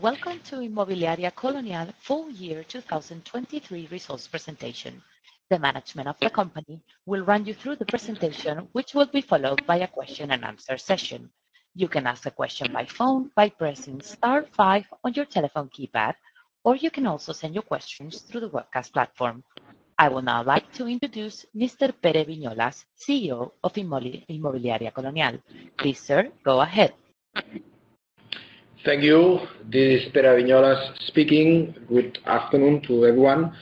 Welcome to Inmobiliaria Colonial full year 2023 results presentation. The management of the company will run you through the presentation, which will be followed by a question and answer session. You can ask a question by phone by pressing star five on your telephone keypad, or you can also send your questions through the webcast platform. I will now like to introduce Mr. Pere Viñolas, CEO of Inmobiliaria Colonial. Please, sir, go ahead. Thank you. This is Pere Viñolas speaking. Good afternoon to everyone.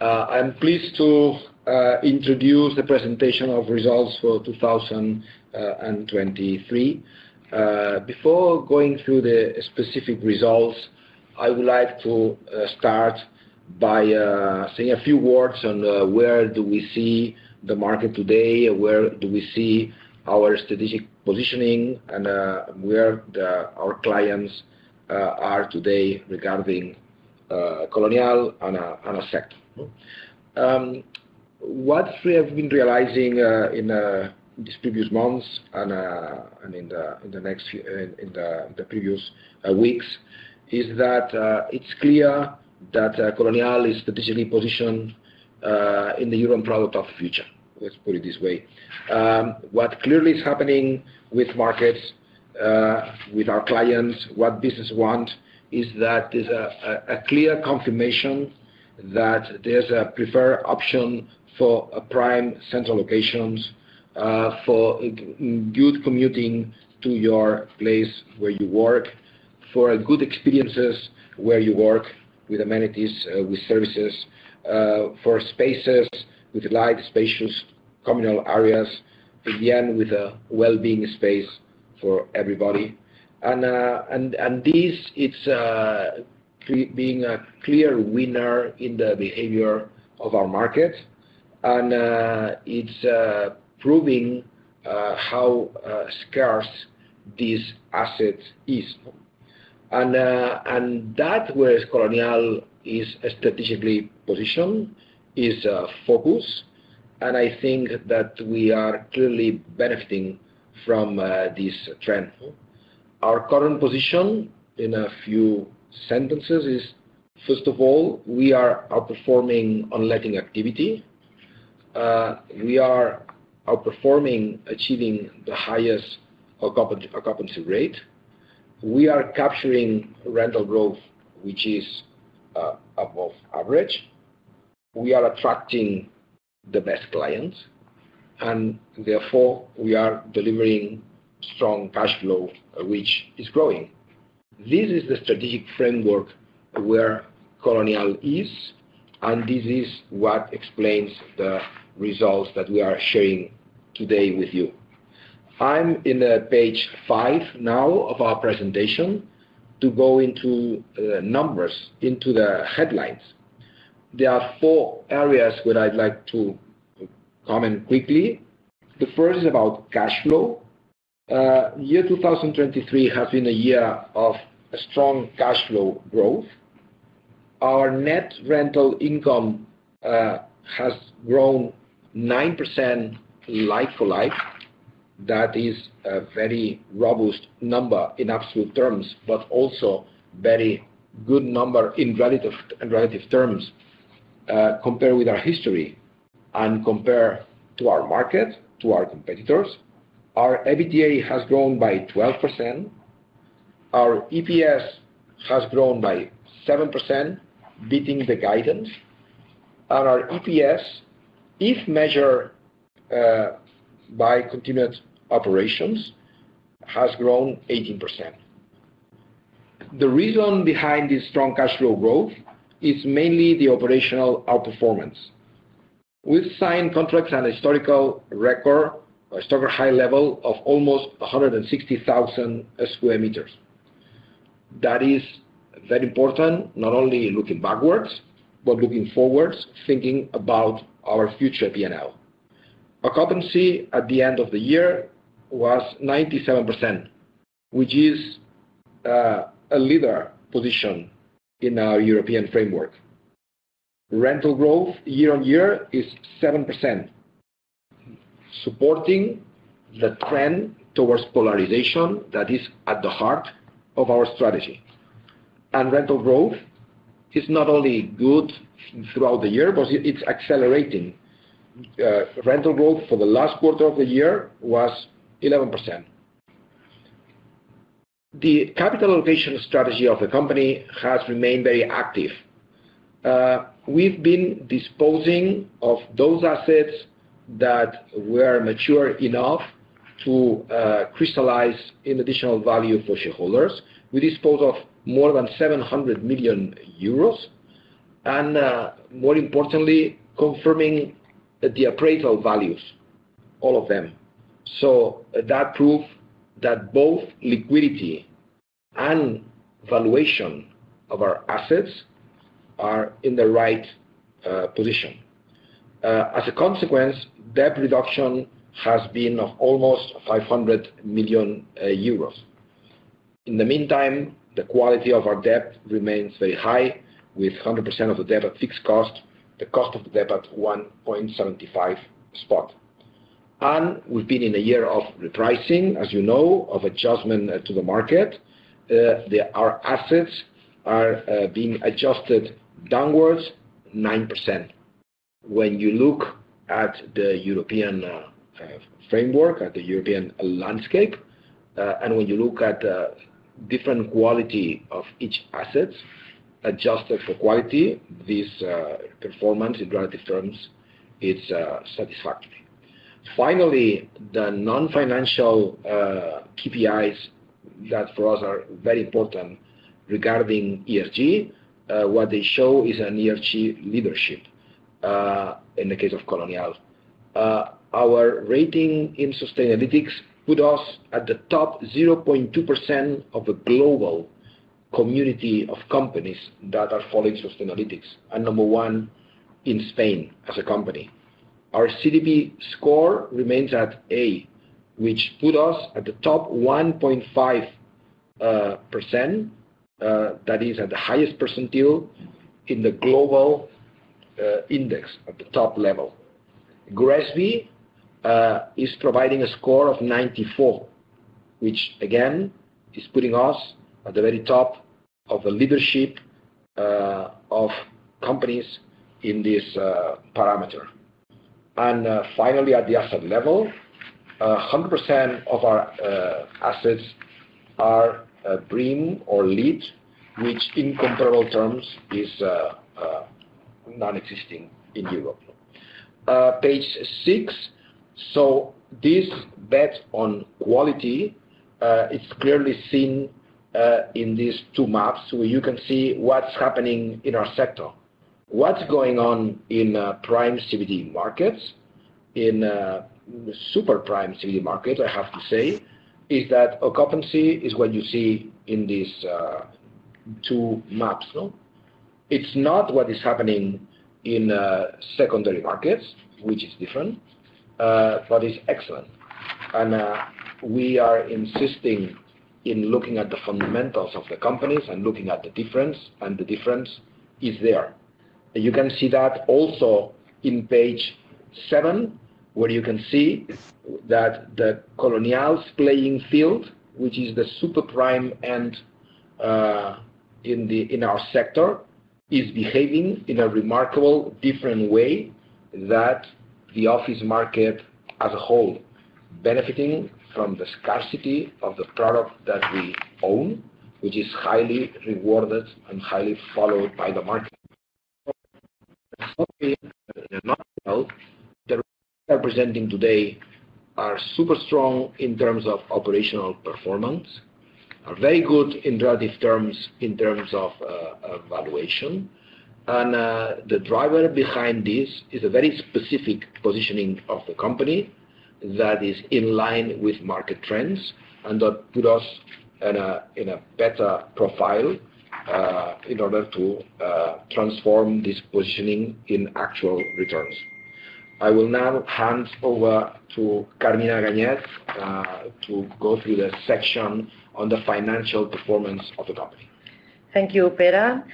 I'm pleased to introduce the presentation of results for 2023. Before going through the specific results, I would like to start by saying a few words on where do we see the market today, where do we see our strategic positioning, and where our clients are today regarding Colonial and the sector. What we have been realizing in these previous months and in the previous weeks is that it's clear that Colonial is strategically positioned in the Europe product of the future. Let's put it this way. What clearly is happening with markets, with our clients, what businesses want, is that there's a clear confirmation that there's a preferred option for prime central locations, for good commuting to your place where you work, for good experiences where you work with amenities, with services, for spaces with light, spacious communal areas, in the end, with a well-being space for everybody. And these, it's being a clear winner in the behavior of our market. And it's proving how scarce this asset is. And that where Colonial is strategically positioned is a focus. And I think that we are clearly benefiting from this trend. Our current position, in a few sentences, is, first of all, we are outperforming on letting activity. We are outperforming achieving the highest occupancy rate. We are capturing rental growth, which is above average. We are attracting the best clients. Therefore, we are delivering strong cash flow, which is growing. This is the strategic framework where Colonial is. This is what explains the results that we are sharing today with you. I'm on page five now of our presentation to go into numbers, into the headlines. There are four areas where I'd like to comment quickly. The first is about cash flow. Year 2023 has been a year of strong cash flow growth. Our net rental income has grown 9% like-for-like. That is a very robust number in absolute terms, but also a very good number in relative terms, compared with our history and compared to our market, to our competitors. Our EBITDA has grown by 12%. Our EPS has grown by 7%, beating the guidance. Our EPS, if measured by continuous operations, has grown 18%. The reason behind this strong cash flow growth is mainly the operational outperformance. We've signed contracts on a historical record, a historical high level of almost 160,000 square meters. That is very important, not only looking backwards, but looking forwards, thinking about our future P&L. Occupancy at the end of the year was 97%, which is, a leader position in our European framework. Rental growth year-on-year is 7%, supporting the trend towards polarization that is at the heart of our strategy. Rental growth is not only good throughout the year, but it's accelerating. Rental growth for the last quarter of the year was 11%. The capital allocation strategy of the company has remained very active. We've been disposing of those assets that were mature enough to, crystallize in additional value for shareholders. We dispose of more than 700 million euros. More importantly, confirming the appraisal values, all of them. So that proved that both liquidity and valuation of our assets are in the right position. As a consequence, debt reduction has been of almost 500 million euros. In the meantime, the quality of our debt remains very high, with 100% of the debt at fixed cost, the cost of the debt at 1.75% spot. And we've been in a year of repricing, as you know, of adjustment to the market. Our assets are being adjusted downwards 9%. When you look at the European framework, at the European landscape, and when you look at the different quality of each asset, adjusted for quality, this performance in relative terms is satisfactory. Finally, the non-financial KPIs that for us are very important regarding ESG, what they show is an ESG leadership, in the case of Colonial. Our rating in Sustainalytics put us at the top 0.2% of the global community of companies that are following Sustainalytics, and number one in Spain as a company. Our CDP score remains at A, which put us at the top 1.5%. That is at the highest percentile in the global index, at the top level. GRESB is providing a score of 94, which, again, is putting us at the very top of the leadership of companies in this parameter. And, finally, at the asset level, 100% of our assets are BREEAM or LEED, which in comparable terms is nonexistent in Europe. Page six. So this bet on quality, it's clearly seen in these two maps where you can see what's happening in our sector. What's going on in prime CBD markets, in super prime CBD markets, I have to say, is that occupancy is what you see in these 2 maps. It's not what is happening in secondary markets, which is different, but it's excellent. We are insisting in looking at the fundamentals of the companies and looking at the difference. The difference is there. You can see that also in page seven, where you can see that Colonial's playing field, which is the super prime end in our sector, is behaving in a remarkably different way than the office market as a whole, benefiting from the scarcity of the product that we own, which is highly rewarded and highly followed by the market. In a nutshell, the representing today are super strong in terms of operational performance, are very good in relative terms in terms of valuation. The driver behind this is a very specific positioning of the company that is in line with market trends and that put us in a better profile, in order to transform this positioning in actual returns. I will now hand over to Carmina Ganyet, to go through the section on the financial performance of the company. Thank you, Pere.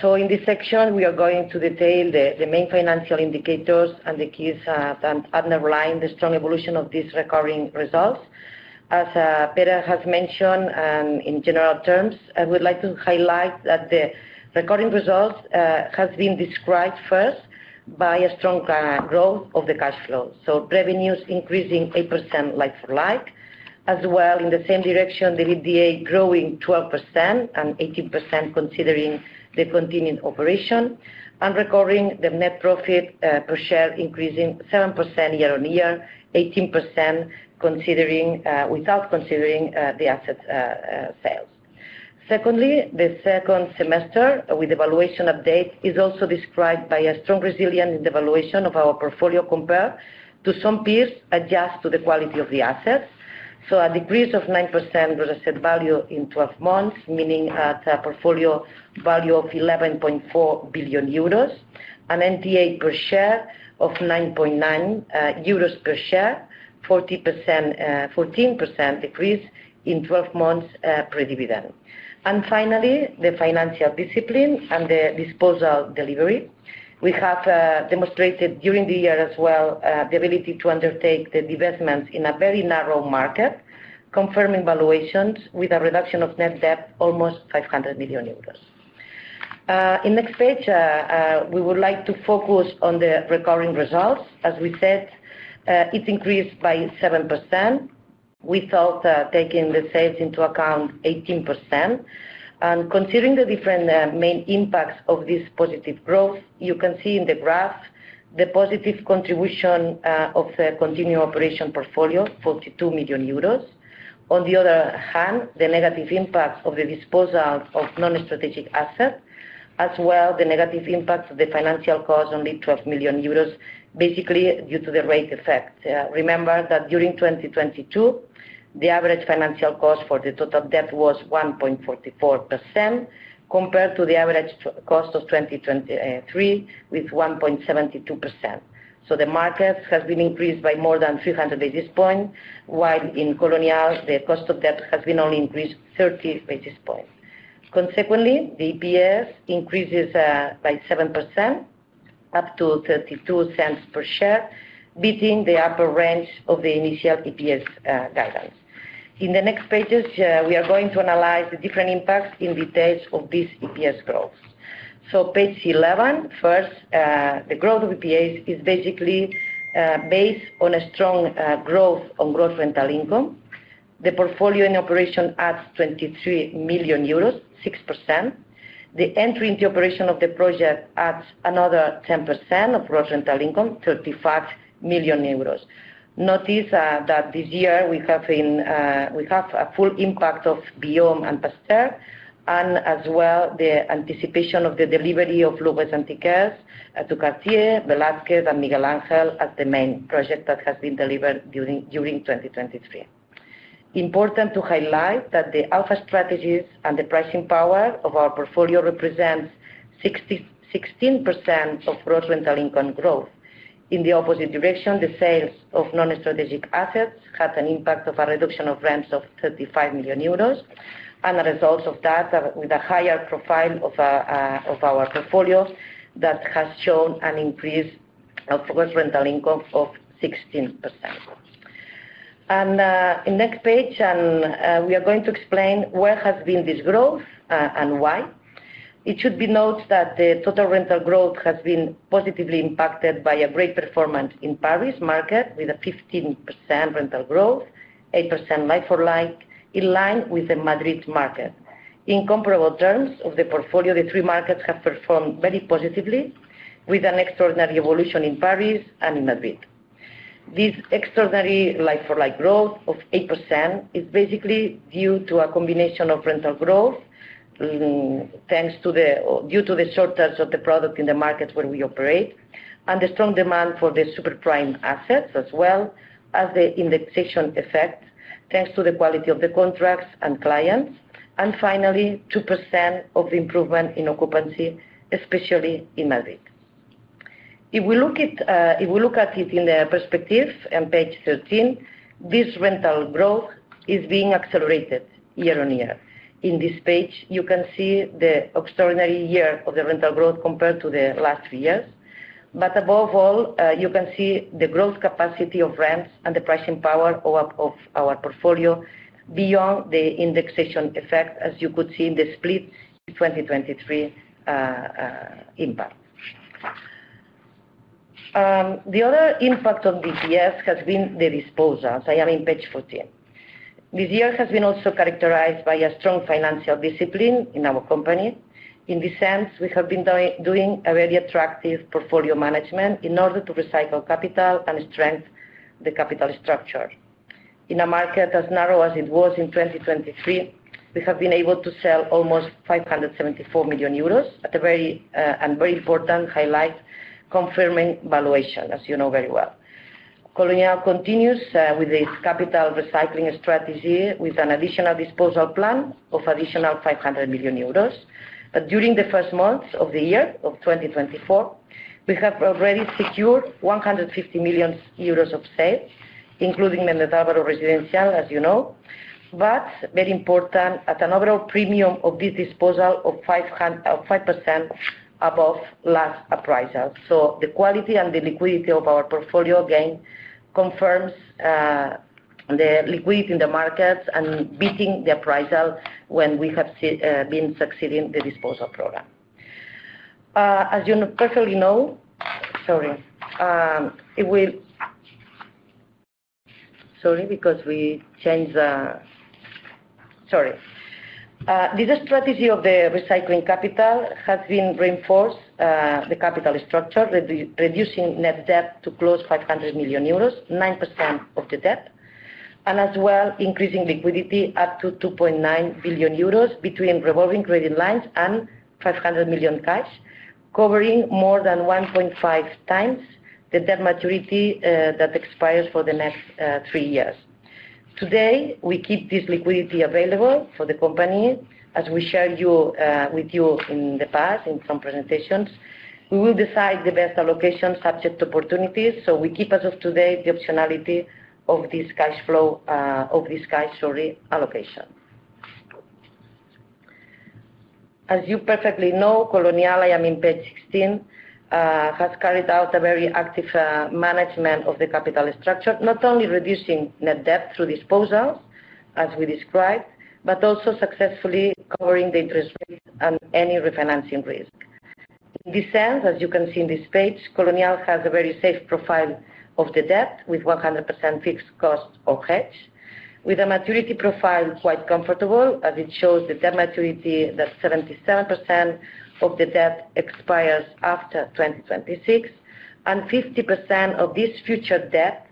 So in this section, we are going to detail the main financial indicators and the keys that underline the strong evolution of these recurring results. As Pere has mentioned, in general terms, I would like to highlight that the recurring results have been described first by a strong growth of the cash flow. So revenues increasing 8% like-for-like, as well. In the same direction, the EBITDA growing 12% and 18% considering the continuing operations, and the net profit per share increasing 7% year-on-year, 18% without considering the asset sales. Secondly, the second semester's valuation update is also described by a strong resilience in the valuation of our portfolio compared to some peers due to the quality of the assets. So a decrease of 9% gross asset value in 12 months, meaning at a portfolio value of 11.4 billion euros, an NTA per share of 9.9 euros per share, 40% 14% decrease in 12 months, per dividend. And finally, the financial discipline and the disposal delivery. We have demonstrated during the year as well the ability to undertake the investments in a very narrow market, confirming valuations with a reduction of net debt almost 500 million euros. On the next page, we would like to focus on the recurring results. As we said, it increased by 7%. We thought, taking the sales into account, 18%. And considering the different main impacts of this positive growth, you can see in the graph the positive contribution of the continuing operation portfolio, 42 million euros. On the other hand, the negative impacts of the disposal of non-strategic assets, as well as the negative impacts of the financial costs only 12 million euros, basically due to the rate effect. Remember that during 2022, the average financial cost for the total debt was 1.44% compared to the average cost of 2023 with 1.72%. So the market has been increased by more than 300 basis points, while in Colonial, the cost of debt has been only increased 30 basis points. Consequently, the EPS increases by 7%, up to 0.32 per share, beating the upper range of the initial EPS guidance. In the next pages, we are going to analyze the different impacts in detail of these EPS growths. So page 11, first, the growth of EPS is basically based on a strong growth on gross rental income. The portfolio in operation adds 23 million euros, 6%. The entry into operation of the project adds another 10% of gross rental income, 35 million euros. Notice that this year, we have a full impact of Biome and Pasteur, and as well the anticipation of the delivery of Louvre des Antiquaires to Cartier, Velázquez, and Miguel Ángel as the main project that has been delivered during 2023. Important to highlight that the alpha strategies and the pricing power of our portfolio represents 6.016% of gross rental income growth. In the opposite direction, the sales of non-strategic assets had an impact of a reduction of rents of 35 million euros. The results of that are with a higher profile of our portfolio that has shown an increase of gross rental income of 16%. In next page, we are going to explain where has been this growth, and why. It should be noted that the total rental growth has been positively impacted by a great performance in Paris market with a 15% rental growth, 8% like-for-like, in line with the Madrid market. In comparable terms of the portfolio, the three markets have performed very positively with an extraordinary evolution in Paris and in Madrid. This extraordinary like-for-like growth of 8% is basically due to a combination of rental growth, thanks to the shortage of the product in the markets where we operate, and the strong demand for the super prime assets, as well as the indexation effect thanks to the quality of the contracts and clients. And finally, 2% of the improvement in occupancy, especially in Madrid. If we look at it in the perspective on page 13, this rental growth is being accelerated year-on-year. In this page, you can see the extraordinary year of the rental growth compared to the last three years. But above all, you can see the growth capacity of rents and the pricing power of our portfolio beyond the indexation effect, as you could see in the split 2023 impact. The other impact on the EPS has been the disposal. So I am in page 14. This year has been also characterized by a strong financial discipline in our company. In this sense, we have been doing a very attractive portfolio management in order to recycle capital and strengthen the capital structure. In a market as narrow as it was in 2023, we have been able to sell almost 574 million euros at a very and very important highlight, confirming valuation, as you know very well. Colonial continues with this capital recycling strategy with an additional disposal plan of 500 million euros. But during the first months of the year of 2024, we have already secured 150 million euros of sales, including the Álvaro Residencial, as you know, but very important at an overall premium of this disposal of EUR 500 million of 5% above last appraisal. So the quality and the liquidity of our portfolio, again, confirms the liquidity in the markets and beating the appraisal when we have been succeeding the disposal program, as you perfectly know, because we changed the. This strategy of the recycling capital has been reinforced, the capital structure, reducing net debt to close 500 million euros, 9% of the debt, and as well increasing liquidity up to 2.9 billion euros between revolving credit lines and 500 million cash, covering more than 1.5x the debt maturity, that expires for the next, three years. Today, we keep this liquidity available for the company. As we share you, with you in the past in some presentations, we will decide the best allocation subject to opportunities. So we keep as of today the optionality of this cash flow of this cash, sorry, allocation. As you perfectly know, Colonial, I am in page 16, has carried out a very active, management of the capital structure, not only reducing net debt through disposals, as we described, but also successfully covering the interest rate and any refinancing risk. In this sense, as you can see in this page, Colonial has a very safe profile of the debt with 100% fixed cost or hedge, with a maturity profile quite comfortable, as it shows the debt maturity that 77% of the debt expires after 2026. 50% of this future debt,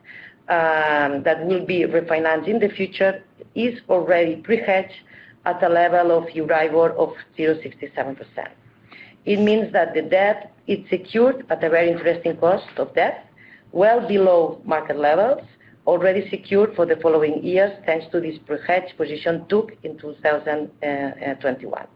that will be refinanced in the future is already prehedged at a level of EURIBOR of 0.67%. It means that the debt, it's secured at a very interesting cost of debt, well below market levels, already secured for the following years thanks to this prehedged position took in 2021.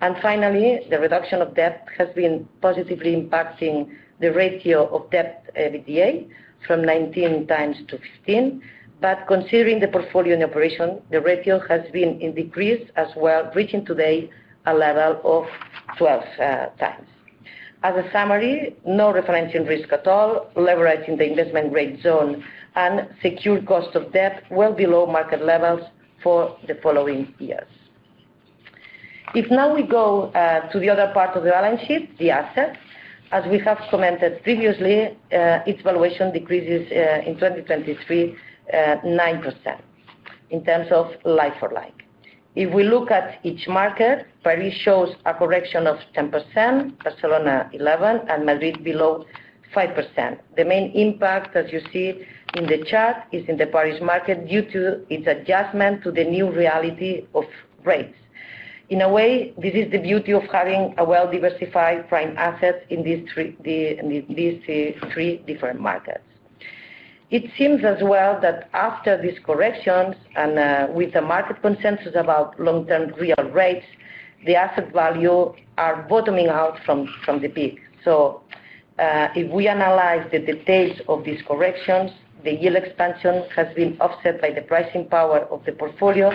Finally, the reduction of debt has been positively impacting the ratio of debt EBITDA from 19x to 15x. Considering the portfolio in operation, the ratio has been in decrease as well, reaching today a level of 12x. As a summary, no refinancing risk at all, leveraging the investment-grade rating, and secured cost of debt well below market levels for the following years. If now we go to the other part of the balance sheet, the assets, as we have commented previously, its valuation decreases in 2023, 9% in terms of like-for-like. If we look at each market, Paris shows a correction of 10%, Barcelona 11%, and Madrid below 5%. The main impact, as you see in the chart, is in the Paris market due to its adjustment to the new reality of rates. In a way, this is the beauty of having a well-diversified prime asset in these three different markets. It seems as well that after these corrections and, with the market consensus about long-term real rates, the asset value are bottoming out from the peak. So, if we analyze the details of these corrections, the yield expansion has been offset by the pricing power of the portfolio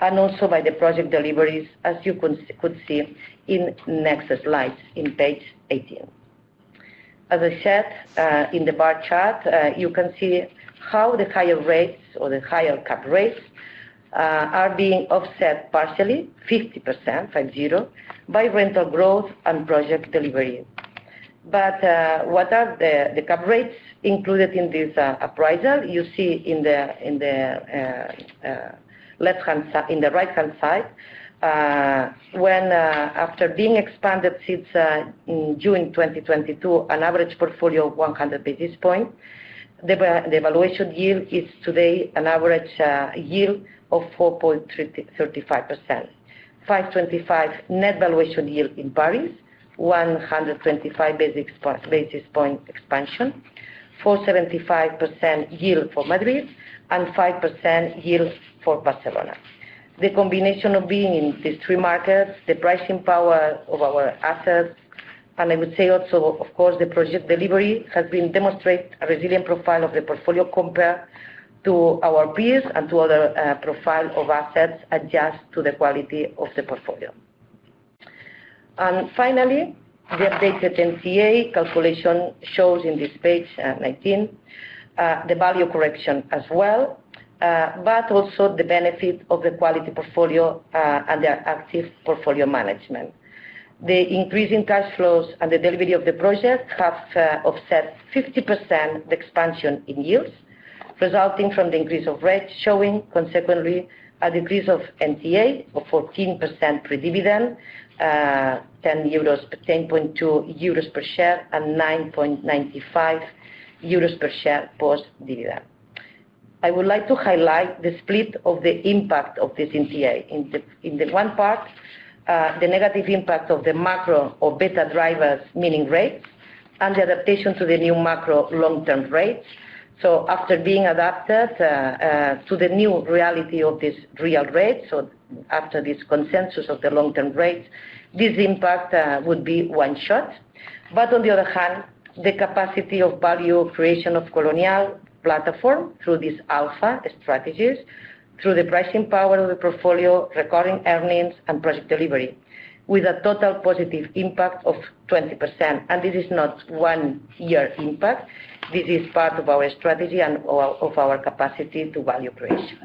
and also by the project deliveries, as you could see in next slides in page 18. As I said, in the bar chart, you can see how the higher rates or the higher cap rates are being offset partially, 50%, 50%, by rental growth and project delivery. But, what are the cap rates included in this appraisal? You see in the left-hand side in the right-hand side, when after being expanded since June 2022, an average portfolio of 100 basis points, the valuation yield is today an average yield of 4.35%. 5.25 net valuation yield in Paris, 125 basis points expansion, 4.75% yield for Madrid, and 5% yield for Barcelona. The combination of being in these three markets, the pricing power of our assets, and I would say also, of course, the project delivery has been demonstrated a resilient profile of the portfolio compared to our peers and to other, profile of assets adjust to the quality of the portfolio. And finally, the updated NTA calculation shows in this page, 19, the value correction as well, but also the benefit of the quality portfolio, and the active portfolio management. The increasing cash flows and the delivery of the project have offset 50% the expansion in yields, resulting from the increase of rate showing, consequently, a decrease of NTA of 14% pre-dividend, 10 euros, 10.2 euros per share and 9.95 euros per share post-dividend. I would like to highlight the split of the impact of this NTA in the one part, the negative impact of the macro or beta drivers, meaning rates, and the adaptation to the new macro long-term rates. So after being adapted to the new reality of these real rates, so after this consensus of the long-term rates, this impact would be one shot. But on the other hand, the capacity of value creation of Colonial platform through these alpha strategies, through the pricing power of the portfolio, recording earnings, and project delivery, with a total positive impact of 20%. And this is not one-year impact. This is part of our strategy and of our capacity to value creation.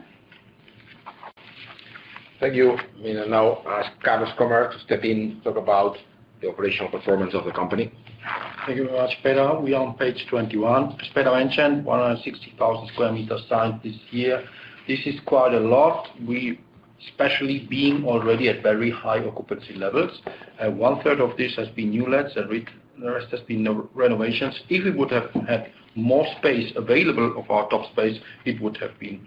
Thank you. I mean, and now ask Carlos Krohmer to step in, talk about the operational performance of the company. Thank you very much, Pere. We are on page 21. As Pere mentioned, 160,000 square meters signed this year. This is quite a lot, especially being already at very high occupancy levels. One-third of this has been newlets, and the rest has been renovations. If we would have had more space available of our top space, it would have been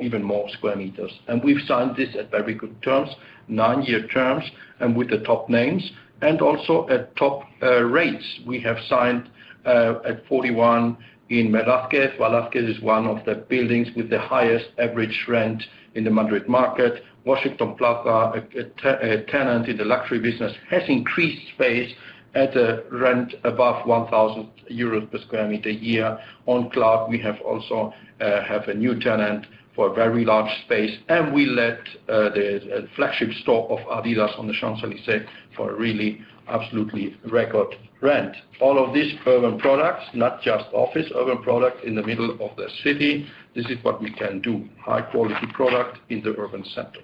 even more square meters. We've signed this at very good terms, nine-year terms, and with the top names. Also at top rates. We have signed at 41 in Velázquez. Velázquez is one of the buildings with the highest average rent in the Madrid market. Washington Plaza, a tenant in the luxury business, has increased space at a rent above 1,000 euros per square meter a year. On Cloud, we have a new tenant for a very large space. We let the flagship store of Adidas on the Champs-Élysées for a really absolutely record rent. All of these urban products, not just office, urban products in the middle of the city, this is what we can do, high-quality product in the urban center.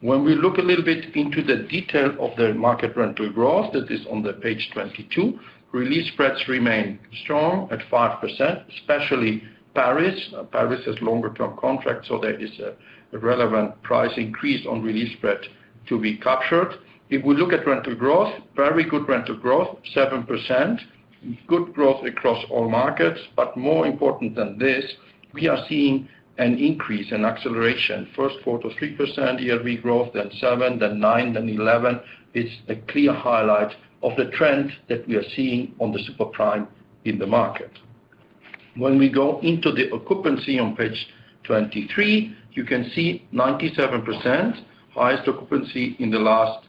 When we look a little bit into the detail of the market rental growth that is on page 22, re-leasing spreads remain strong at 5%, especially Paris. Paris has longer-term contracts, so there is a relevant price increase on re-leasing spread to be captured. If we look at rental growth, very good rental growth, 7%, good growth across all markets. But more important than this, we are seeing an increase, an acceleration, first quarter 3% year-over-year growth, then 7%, then 9%, then 11%. It's a clear highlight of the trend that we are seeing on the super prime in the market. When we go into the occupancy on page 23, you can see 97%, highest occupancy in the last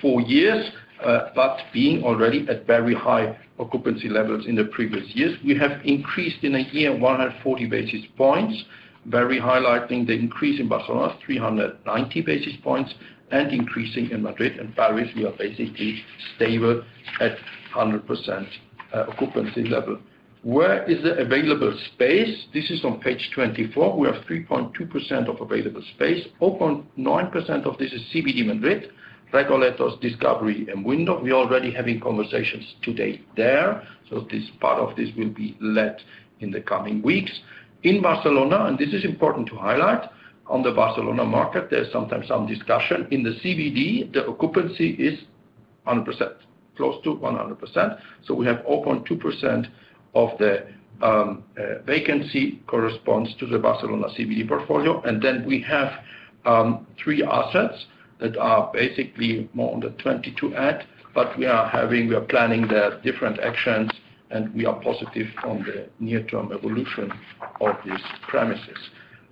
four years, but being already at very high occupancy levels in the previous years. We have increased in a year 140 basis points, very highlighting the increase in Barcelona, 390 basis points, and increasing in Madrid and Paris. We are basically stable at 100% occupancy level. Where is the available space? This is on page 24. We have 3.2% of available space. 0.9% of this is CBD Madrid, Recoletos, Discovery, and The Window. We are already having conversations today there. So this part of this will be let in the coming weeks. In Barcelona, and this is important to highlight, on the Barcelona market, there's sometimes some discussion. In the CBD, the occupancy is 100%, close to 100%. So we have 0.2% of the vacancy corresponds to the Barcelona CBD portfolio. Then we have 3 assets that are basically more on the 22@. But we are planning the different actions, and we are positive on the near-term evolution of these premises.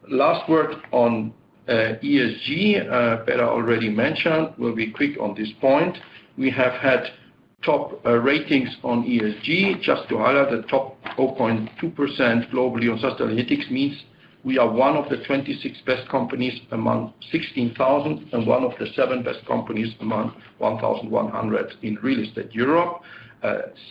Last word on ESG. Pere already mentioned. We'll be quick on this point. We have had top ratings on ESG. Just to highlight, the top 0.2% globally on Sustainalytics means we are one of the 26 best companies among 16,000 and one of the 7 best companies among 1,100 in real estate Europe,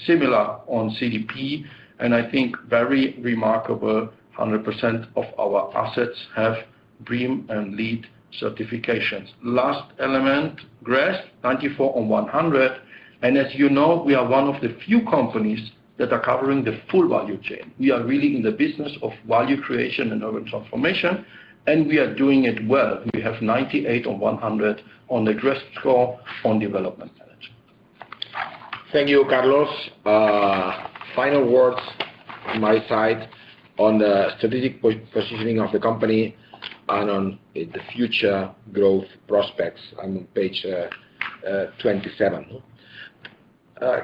similar on CDP. And I think very remarkable, 100% of our assets have BREEAM and LEED certifications. Last element, GRESB, 94/100. And as you know, we are one of the few companies that are covering the full value chain. We are really in the business of value creation and urban transformation. And we are doing it well. We have 98 on 100 on the GRESB score on development management. Thank you, Carlos. Final words from my side on the strategic positioning of the company and on the future growth prospects. I'm on page 27.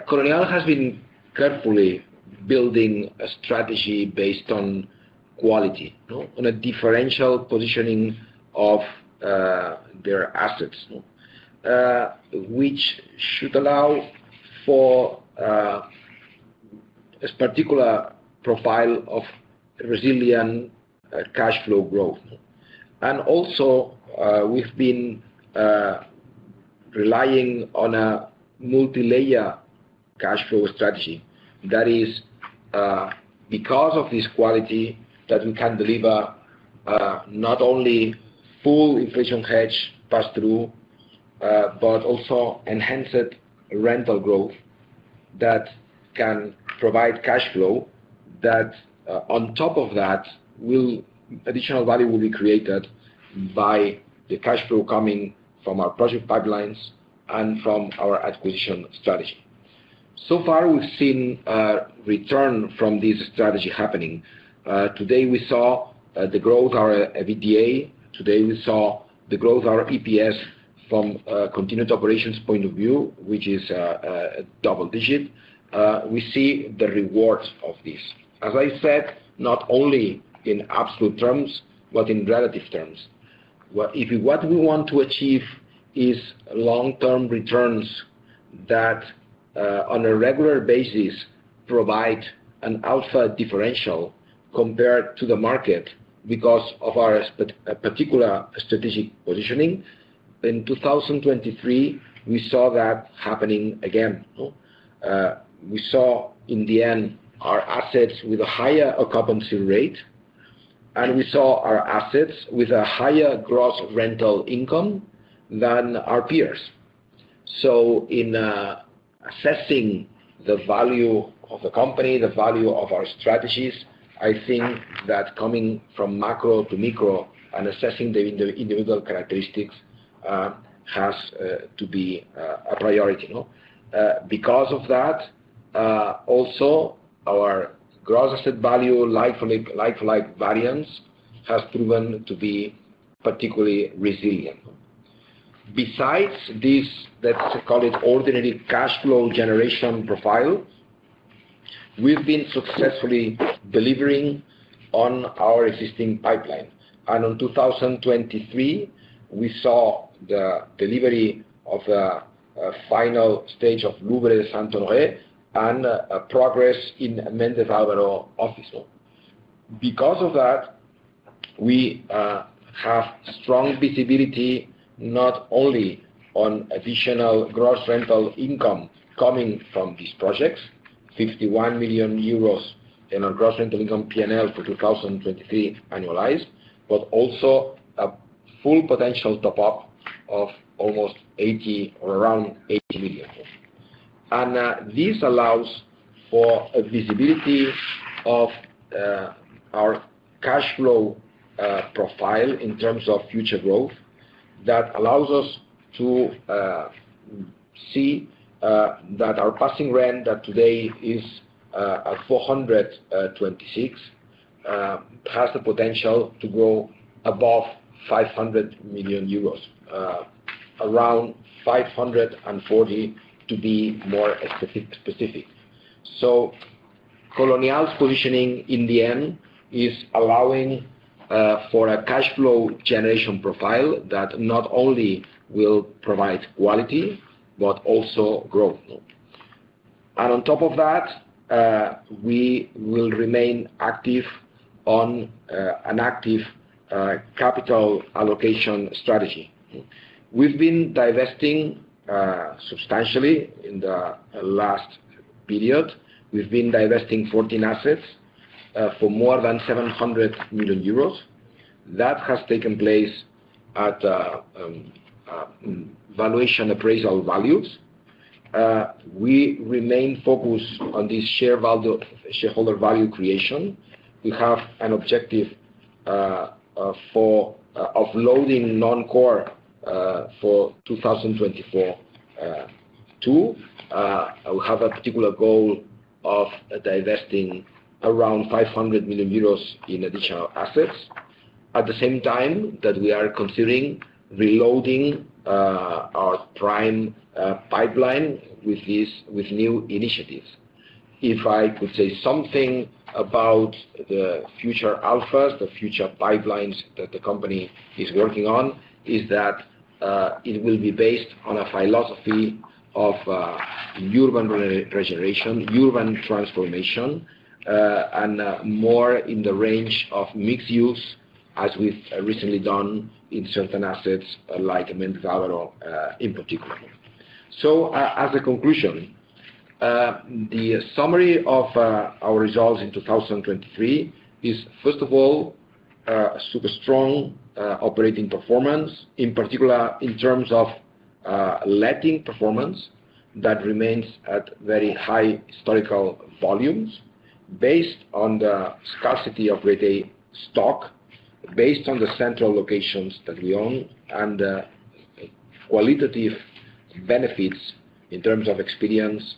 Colonial has been carefully building a strategy based on quality, on a differential positioning of their assets, which should allow for a particular profile of resilient cash flow growth. And also, we've been relying on a multi-layer cash flow strategy. That is, because of this quality that we can deliver, not only full inflation hedge pass-through, but also enhanced rental growth that can provide cash flow that, on top of that, will additional value will be created by the cash flow coming from our project pipelines and from our acquisition strategy. So far, we've seen return from this strategy happening. Today, we saw the growth of EBITDA. Today, we saw the growth of our EPS from a continued operations point of view, which is a double digit. We see the rewards of this. As I said, not only in absolute terms, but in relative terms. What if we what we want to achieve is long-term returns that, on a regular basis provide an alpha differential compared to the market because of our particular strategic positioning? In 2023, we saw that happening again. We saw, in the end, our assets with a higher occupancy rate. And we saw our assets with a higher gross rental income than our peers. So in assessing the value of the company, the value of our strategies, I think that coming from macro to micro and assessing the individual characteristics has to be a priority. Because of that, also, our gross asset value, like-for-like variance, has proven to be particularly resilient. Besides this, let's call it ordinary cash flow generation profile, we've been successfully delivering on our existing pipeline. In 2023, we saw the delivery of the final stage of Louvre Saint-Honoré and progress in Méndez Álvaro office. Because of that, we have strong visibility not only on additional gross rental income coming from these projects, 51 million euros in our gross rental income P&L for 2023 annualized, but also a full potential top-up of almost 80 million or around 80 million. And this allows for a visibility of our cash flow profile in terms of future growth that allows us to see that our passing rent that today is at 426 million has the potential to grow above 500 million euros, around 540 million to be more specific. So Colonial's positioning in the end is allowing for a cash flow generation profile that not only will provide quality but also growth. And on top of that, we will remain active on an active capital allocation strategy. We've been divesting substantially in the last period. We've been divesting 14 assets for more than 700 million euros. That has taken place at valuation appraisal values. We remain focused on this shareholder value creation. We have an objective for offloading non-core for 2024 too. We have a particular goal of divesting around 500 million euros in additional assets at the same time that we are considering reloading our prime pipeline with these with new initiatives. If I could say something about the future alphas, the future pipelines that the company is working on is that it will be based on a philosophy of urban regeneration, urban transformation, and more in the range of mixed use as we've recently done in certain assets like Méndez Álvaro, in particular. As a conclusion, the summary of our results in 2023 is first of all super strong operating performance, in particular in terms of letting performance that remains at very high historical volumes based on the scarcity of grade A stock, based on the central locations that we own, and the qualitative benefits in terms of experience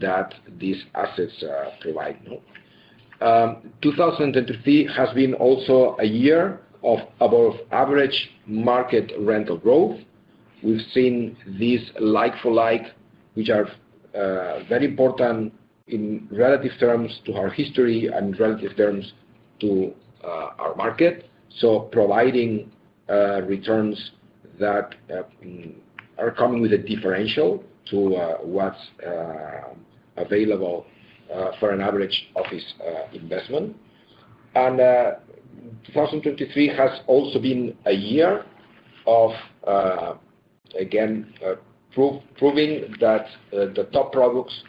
that these assets provide. 2023 has been also a year of above-average market rental growth. We've seen these like-for-like, which are very important in relative terms to our history and relative terms to our market. So providing returns that are coming with a differential to what's available for an average office investment. 2023 has also been a year of again proving that the top products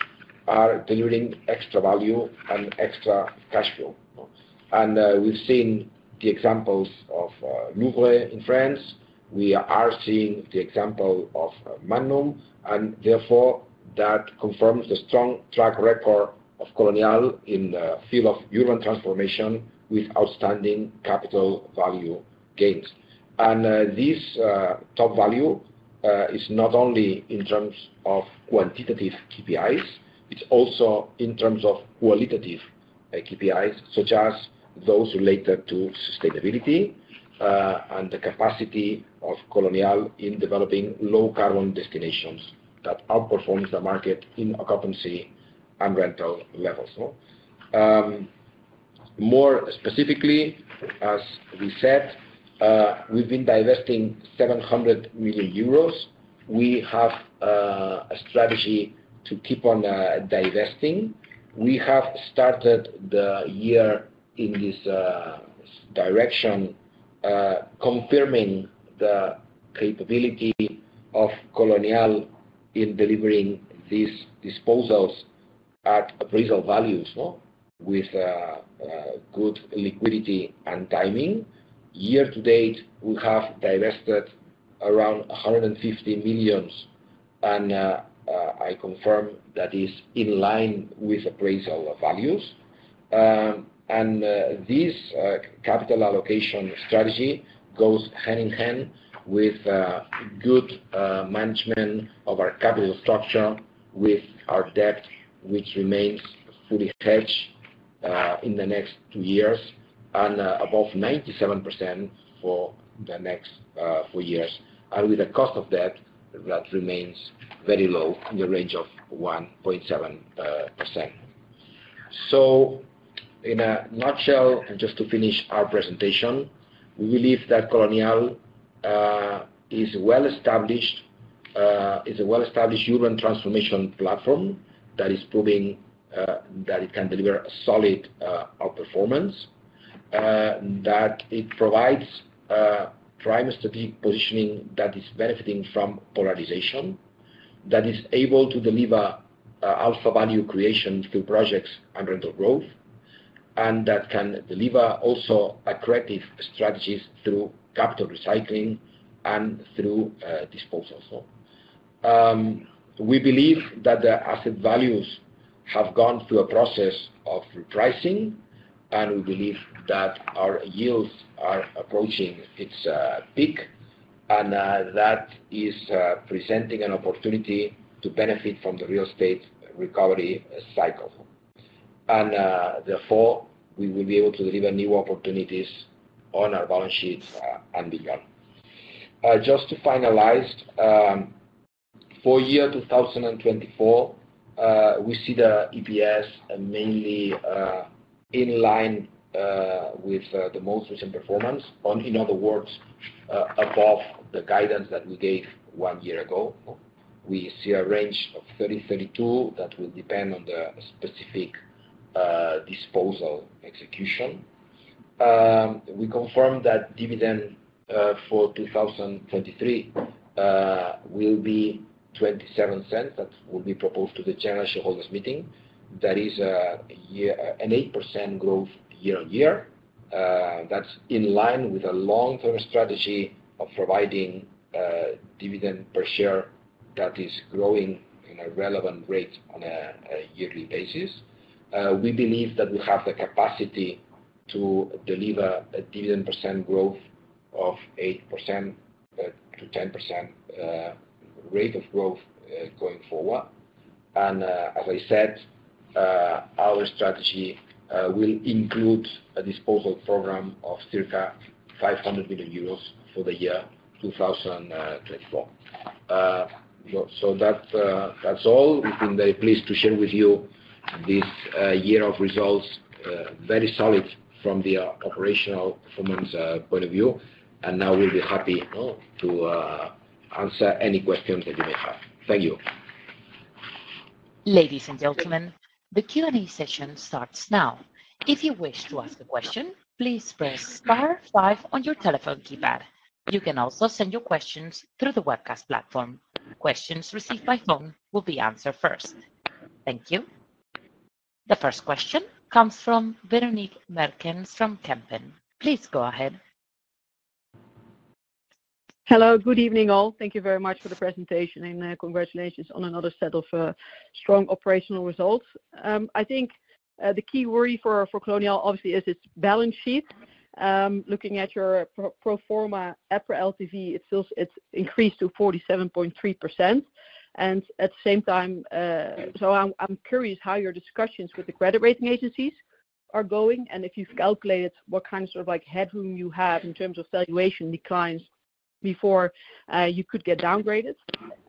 are delivering extra value and extra cash flow. We've seen the examples of Louvre in France. We are seeing the example of Madnum. And therefore, that confirms the strong track record of Colonial in the field of urban transformation with outstanding capital value gains. This top value is not only in terms of quantitative KPIs. It's also in terms of qualitative KPIs such as those related to sustainability, and the capacity of Colonial in developing low-carbon destinations that outperforms the market in occupancy and rental levels. More specifically, as we said, we've been divesting 700 million euros. We have a strategy to keep on divesting. We have started the year in this direction, confirming the capability of Colonial in delivering these disposals at appraisal values with good liquidity and timing. Year to date, we have divested around 150 million. I confirm that is in line with appraisal values. This capital allocation strategy goes hand in hand with good management of our capital structure with our debt, which remains fully hedged in the next two years and above 97% for the next four years and with a cost of debt that remains very low in the range of 1.7%. So in a nutshell, and just to finish our presentation, we believe that Colonial is a well-established, is a well-established urban transformation platform that is proving that it can deliver a solid outperformance, that it provides prime strategic positioning that is benefiting from polarization, that is able to deliver alpha value creation through projects and rental growth, and that can deliver also accurate strategies through capital recycling and through disposals. We believe that the asset values have gone through a process of repricing. And we believe that our yields are approaching its peak. That is presenting an opportunity to benefit from the real estate recovery cycle. Therefore, we will be able to deliver new opportunities on our balance sheet and beyond. Just to finalize, for year 2024, we see the EPS mainly in line with the most recent performance. In other words, above the guidance that we gave one year ago. We see a range of 0.30-0.32 that will depend on the specific disposal execution. We confirm that dividend for 2023 will be 0.27 that will be proposed to the general shareholders' meeting. That is a year-on-year 8% growth. That's in line with a long-term strategy of providing dividend per share that is growing in a relevant rate on a yearly basis. We believe that we have the capacity to deliver a dividend percent growth of 8%-10% rate of growth going forward. As I said, our strategy will include a disposal program of circa 500 million euros for the year 2024. So that's all. We've been very pleased to share with you this year of results, very solid from the operational performance point of view. Now we'll be happy to answer any questions that you may have. Thank you. Ladies and gentlemen, the Q&A session starts now. If you wish to ask a question, please press star five on your telephone keypad. You can also send your questions through the webcast platform. Questions received by phone will be answered first. Thank you. The first question comes from Véronique Meertens from Kempen. Please go ahead. Hello. Good evening, all. Thank you very much for the presentation. Congratulations on another set of strong operational results. I think the key worry for Colonial, obviously, is its balance sheet. Looking at your pro forma EPRA LTV, it feels it's increased to 47.3%. And at the same time, so I'm, I'm curious how your discussions with the credit rating agencies are going and if you've calculated what kind of sort of, like, headroom you have in terms of valuation declines before you could get downgraded.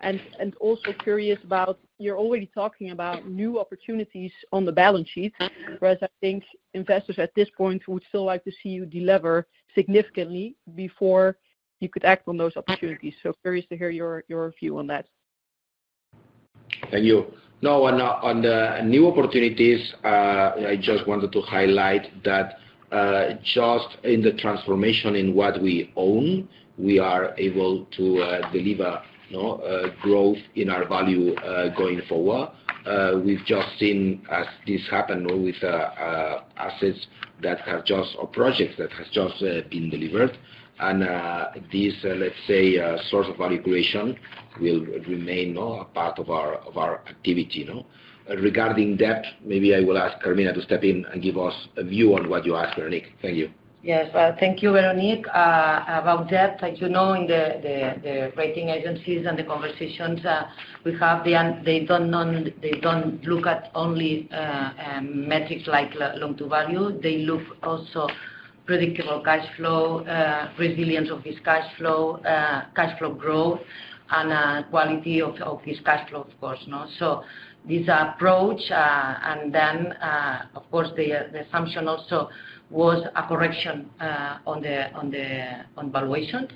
And, and also curious about you're already talking about new opportunities on the balance sheet, whereas I think investors at this point would still like to see you deliver significantly before you could act on those opportunities. So curious to hear your, your view on that. Thank you. No, and on the new opportunities, I just wanted to highlight that, just in the transformation in what we own, we are able to deliver, no, growth in our value, going forward. We've just seen as this happen with assets that have just or projects that have just been delivered. And this, let's say, source of value creation will remain, no, a part of our of our activity. No, regarding debt, maybe I will ask Carmina to step in and give us a view on what you asked, Véronique. Thank you. Yes. Thank you, Véronique. About debt, as you know, in the, the, the rating agencies and the conversations we have, they don't know they don't look at only metrics like long-term value. They look also predictable cash flow, resilience of this cash flow, cash flow growth, and quality of of this cash flow, of course. No, so this approach, and then, of course, the assumption also was a correction on the on the on valuations.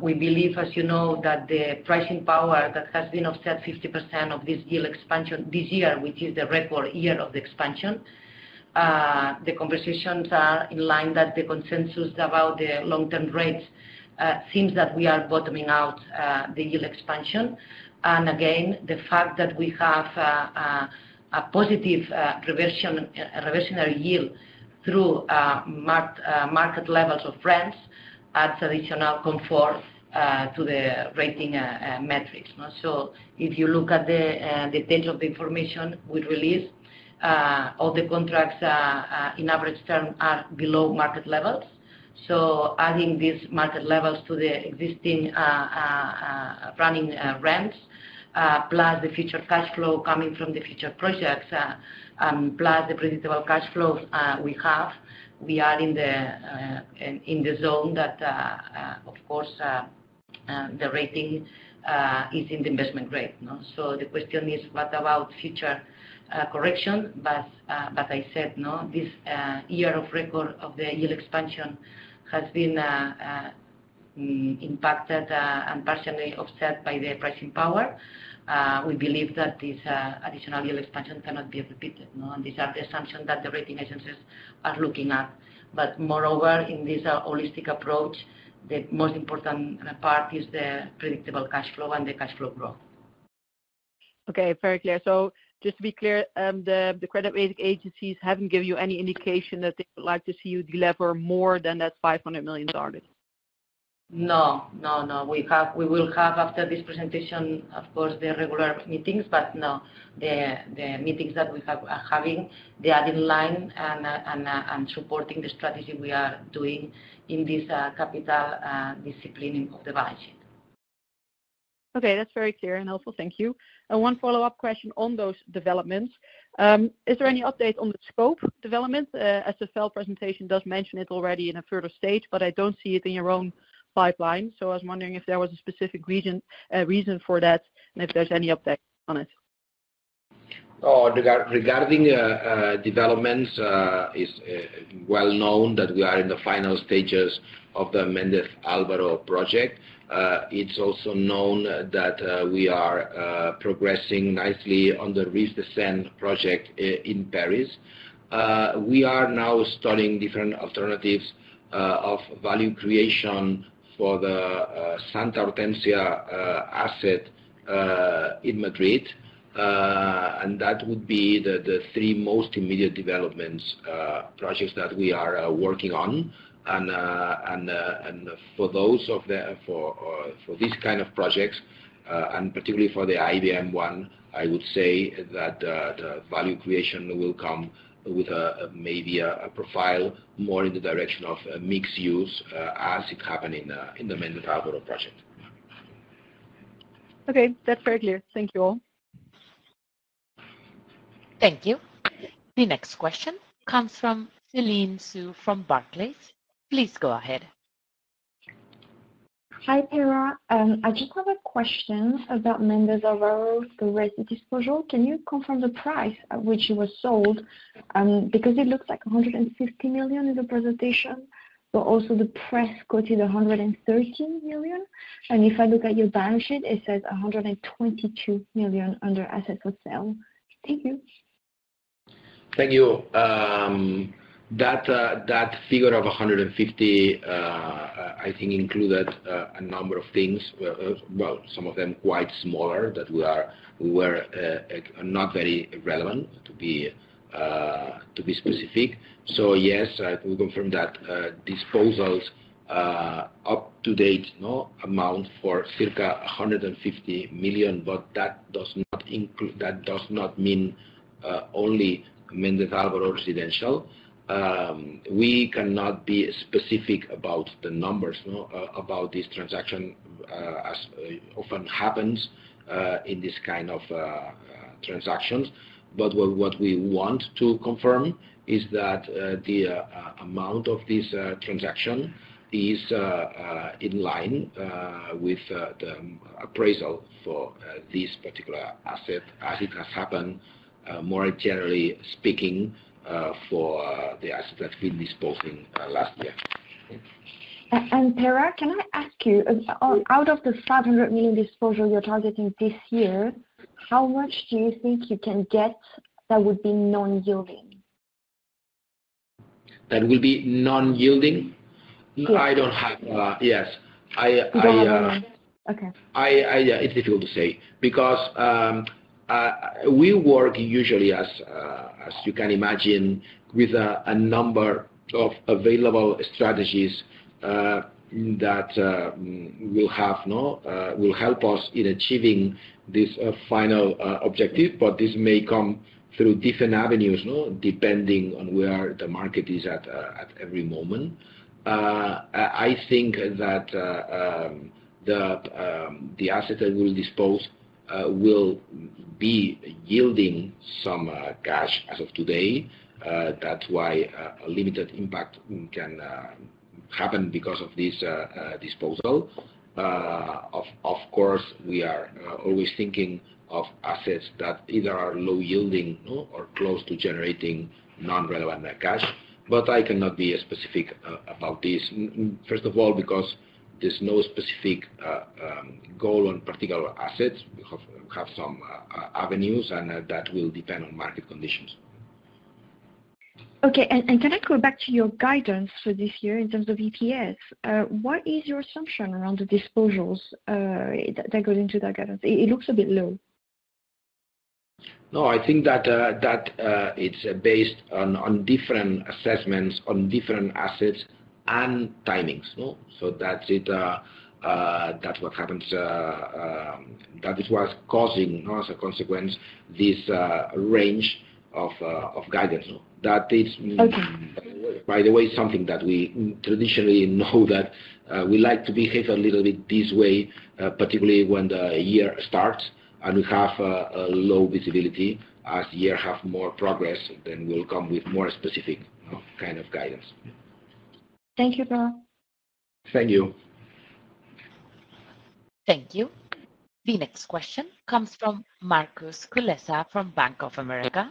We believe, as you know, that the pricing power that has been offset 50% of this yield expansion this year, which is the record year of the expansion. The conversations are in line that the consensus about the long-term rates seems that we are bottoming out the yield expansion. And again, the fact that we have a positive reversionary yield through market levels of rents adds additional comfort to the rating metrics. No, so if you look at the details of the information we release, all the contracts in average term are below market levels. So adding these market levels to the existing running rents, plus the future cash flow coming from the future projects, and plus the predictable cash flows we have, we are in the zone that, of course, the rating is in the investment grade. No, so the question is what about future correction? But I said, no, this year of record of the yield expansion has been impacted and partially offset by the pricing power. We believe that this additional yield expansion cannot be repeated. No, and these are the assumptions that the rating agencies are looking at. But moreover, in this holistic approach, the most important part is the predictable cash flow and the cash flow growth. Okay. Very clear. So just to be clear, the credit rating agencies haven't given you any indication that they would like to see you deliver more than that 500 million target? No, no, no. We will have after this presentation, of course, the regular meetings. But no, the meetings that we have are having they are in line and supporting the strategy we are doing in this capital disciplining of the balance sheet. Okay. That's very clear and helpful. Thank you. One follow-up question on those developments. Is there any update on the scope development? As the SFL presentation does mention it already in a further stage, but I don't see it in your own pipeline. So I was wondering if there was a specific region, reason for that and if there's any update on it. Oh, regarding developments, it's well known that we are in the final stages of the Méndez Álvaro project. It's also known that we are progressing nicely on the Rives de Seine project in Paris. We are now studying different alternatives of value creation for the Santa Hortensia asset in Madrid. and that would be the three most immediate developments, projects that we are working on. And for those, for these kind of projects, and particularly for the IBM one, I would say that the value creation will come with a maybe a profile more in the direction of a mixed use, as it happened in the Méndez Álvaro project. Okay. That's very clear. Thank you all. Thank you. The next question comes from Celine Soo from Barclays. Please go ahead. Hi, Pere. I just have a question about Méndez Álvaro's direct disposal. Can you confirm the price at which it was sold? Because it looks like 150 million in the presentation, but also the press quoted 130 million. And if I look at your balance sheet, it says 122 million under assets for sale. Thank you. Thank you. That figure of 150, I think included a number of things. Well, some of them quite smaller that we were not very relevant to be specific. So yes, I can confirm that disposals up to date amount for circa 150 million. But that does not include; that does not mean only Méndez Álvaro residential. We cannot be specific about the numbers about this transaction, as often happens in this kind of transactions. But what we want to confirm is that the amount of this transaction is in line with the appraisal for this particular asset as it has happened, more generally speaking, for the asset that we've been disposing last year. And Pere, can I ask you, out of the 500 million disposal you're targeting this year, how much do you think you can get that would be non-yielding? That would be non-yielding? I don't have a yes. Okay, yeah, it's difficult to say because, as you can imagine, we work usually with a number of available strategies that will help us in achieving this final objective. But this may come through different avenues, depending on where the market is at every moment. I think that the asset that we'll dispose will be yielding some cash as of today. That's why a limited impact can happen because of this disposal. Of course, we are always thinking of assets that either are low-yielding or close to generating non-relevant cash. But I cannot be specific about this, first of all, because there's no specific goal on particular assets. We have some avenues, and that will depend on market conditions. Okay. Can I go back to your guidance for this year in terms of EPS? What is your assumption around the disposals that goes into that guidance? It looks a bit low. No, I think that, that, it's based on, on different assessments, on different assets, and timings, no. So that's it, that's what happens, that is what's causing, no, as a consequence, this range of guidance, no, that it's okay. By the way, something that we traditionally know that we like to behave a little bit this way, particularly when the year starts and we have a low visibility. As the year has more progress, then we'll come with more specific, no, kind of guidance. Thank you, Pere. Thank you. Thank you. The next question comes from Markus Kulessa from Bank of America.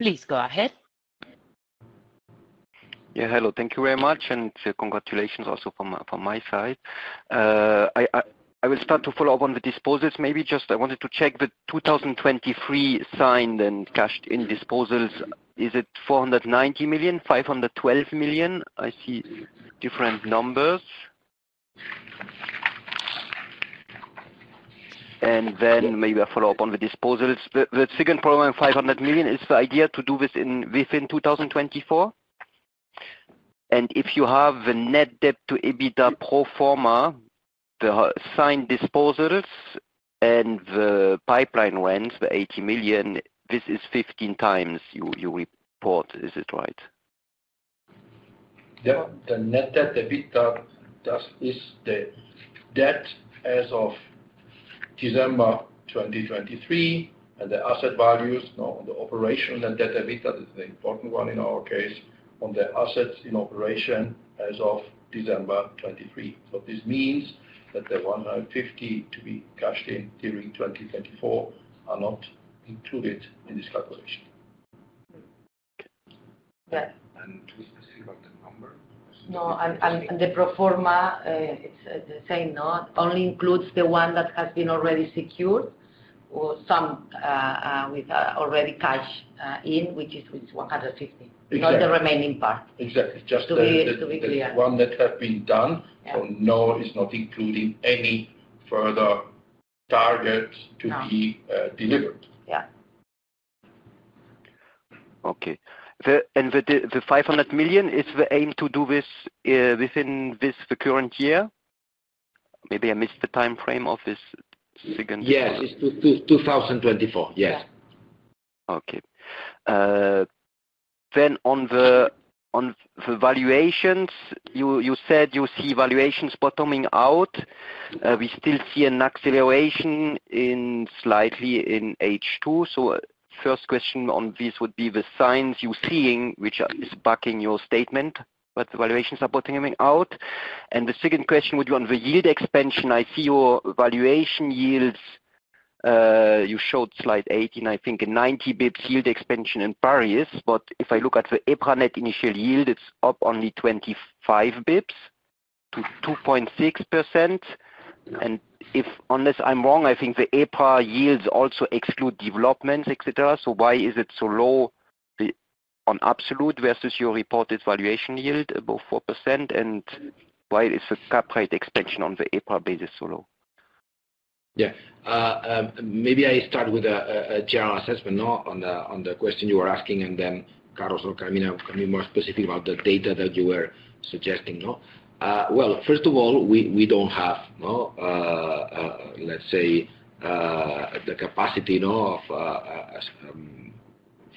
Please go ahead. Yeah. Hello. Thank you very much. Congratulations also from my side. I will start to follow up on the disposals. Maybe just I wanted to check the 2023 signed and cashed-in disposals. Is it 490 million, 512 million? I see different numbers. And then maybe I'll follow up on the disposals. The second problem on 500 million is the idea to do this within 2024. And if you have the net debt to EBITDA pro forma, the signed disposals and the pipeline rents, the 80 million, this is 15x you report. Is it right? Yeah. The net debt to EBITDA is the debt as of December 2023. And the asset values, no, the operational net debt to EBITDA is the important one in our case on the assets in operation as of December 2023. So this means that the 150 million to be cashed in during 2024 are not included in this calculation. Yes. And to be specific on the number? No, and the pro forma, it's the same, no. It only includes the one that has been already secured or some with already cash in, which is 150, not the remaining part. Exactly. Just to be clear. To be clear. The one that have been done, so no, it's not including any further targets to be delivered. Yeah. Okay. And the 500 million, is the aim to do this within this the current year? Maybe I missed the time frame of this second. Yes. It's 2024. Yes. Okay. Then on the valuations, you said you see valuations bottoming out. We still see an acceleration in slightly in H2. So first question on this would be the signs you're seeing, which is backing your statement that the valuations are bottoming out. And the second question would be on the yield expansion. I see your valuation yields, you showed slide 18, I think, a 90 basis points yield expansion in Paris. But if I look at the EPRA net initial yield, it's up only 25 basis points to 2.6%. And unless I'm wrong, I think the EPRA yields also exclude developments, etc. So why is it so low on absolute versus your reported valuation yield above 4%? And why is the cap rate expansion on the EPRA basis so low? Yeah. Maybe I start with a general assessment on the question you were asking. And then Carlos or Carmina can be more specific about the data that you were suggesting, no. Well, first of all, we don't have, let's say, the capacity of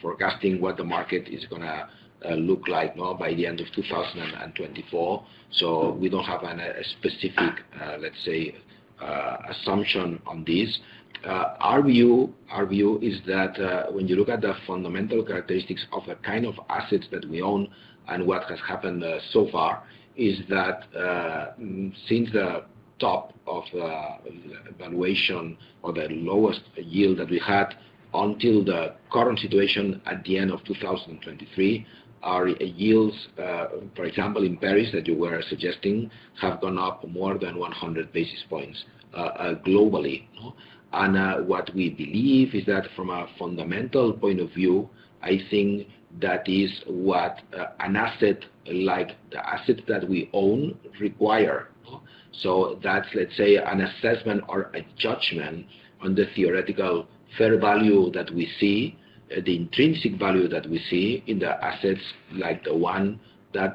forecasting what the market is going to look like by the end of 2024. So we don't have a specific, let's say, assumption on this. Our view, our view is that, when you look at the fundamental characteristics of the kind of assets that we own and what has happened so far, is that, since the top of the valuation or the lowest yield that we had until the current situation at the end of 2023, our yields, for example, in Paris that you were suggesting, have gone up more than 100 basis points, globally. And, what we believe is that from a fundamental point of view, I think that is what, an asset like the assets that we own require. So that's, let's say, an assessment or a judgment on the theoretical fair value that we see, the intrinsic value that we see in the assets like the ones that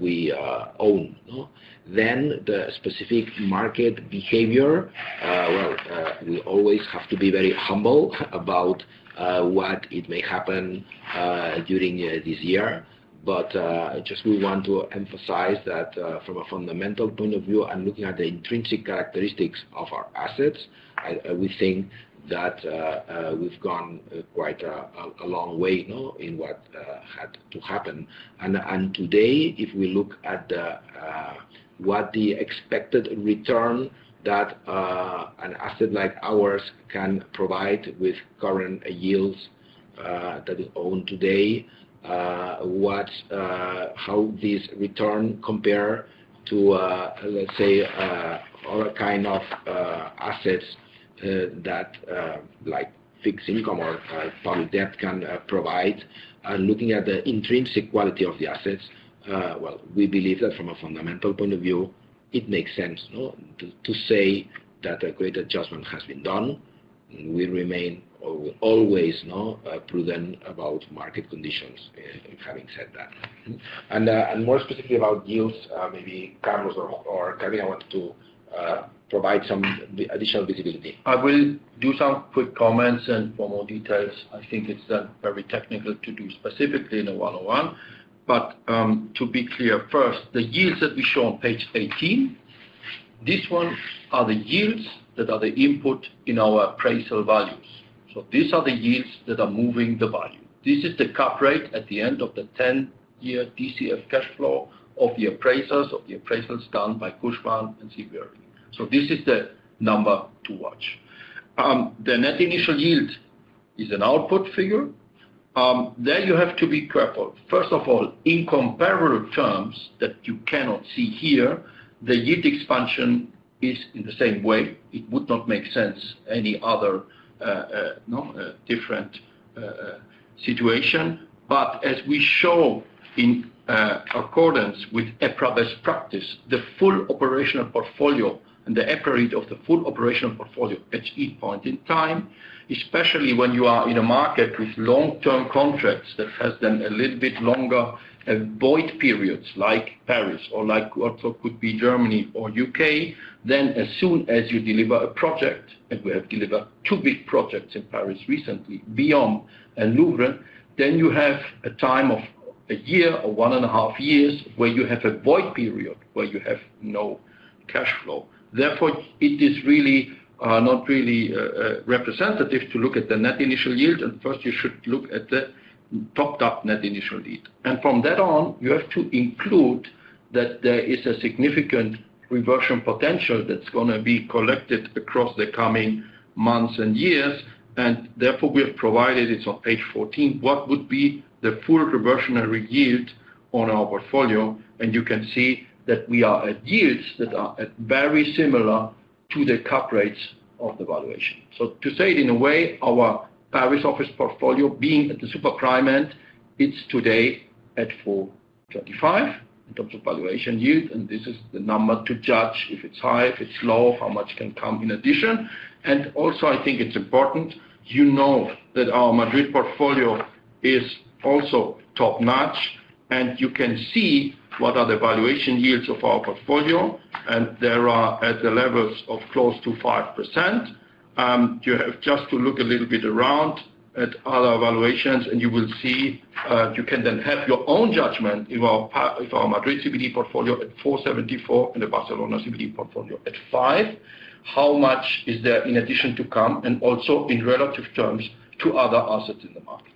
we own, no. Then the specific market behavior, well, we always have to be very humble about what may happen during this year. But just we want to emphasize that, from a fundamental point of view and looking at the intrinsic characteristics of our assets, we think that we've gone quite a long way, no, in what had to happen. And today, if we look at what the expected return that an asset like ours can provide with current yields that we own today, what how this return compare to, let's say, other kind of assets that like fixed income or public debt can provide. Looking at the intrinsic quality of the assets, well, we believe that from a fundamental point of view, it makes sense, no, to say that a great adjustment has been done. We remain always, no, prudent about market conditions, having said that. And more specifically about yields, maybe Carlos or Carmina want to provide some additional visibility. I will do some quick comments and for more details. I think it's very technical to do specifically in a 101. But to be clear first, the yields that we show on page 18, this one are the yields that are the input in our appraisal values. So these are the yields that are moving the value. This is the cap rate at the end of the 10-year DCF cash flow of the appraisals of the appraisals done by Cushman & Wakefield. So this is the number to watch. The Net Initial Yield is an output figure. There you have to be careful. First of all, in comparable terms that you cannot see here, the yield expansion is in the same way. It would not make sense any other, no, different, situation. But as we show, in accordance with EPRA best practice, the full operational portfolio and the EPRA rate of the full operational portfolio at each point in time, especially when you are in a market with long-term contracts that has then a little bit longer void periods like Paris or like also could be Germany or UK, then as soon as you deliver a project and we have delivered two big projects in Paris recently beyond Louvre, then you have a time of a year or one and a half years where you have a void period where you have no cash flow. Therefore, it is really, not really, representative to look at the net initial yield. And first, you should look at the topped-up net initial yield. And from that on, you have to include that there is a significant reversion potential that's going to be collected across the coming months and years. And therefore, we have provided; it's on page 14, what would be the full reversionary yield on our portfolio. And you can see that we are at yields that are very similar to the cap rates of the valuation. So to say it in a way, our Paris office portfolio being at the super prime end, it's today at 4.25 in terms of valuation yield. And this is the number to judge if it's high, if it's low, how much can come in addition. And also, I think it's important, you know, that our Madrid portfolio is also top-notch. You can see what are the valuation yields of our portfolio. And they are at the levels of close to 5%. You have just to look a little bit around at other valuations, and you will see, you can then have your own judgment in our if our Madrid CBD portfolio at 4.74% and the Barcelona CBD portfolio at 5%, how much is there in addition to come and also in relative terms to other assets in the market.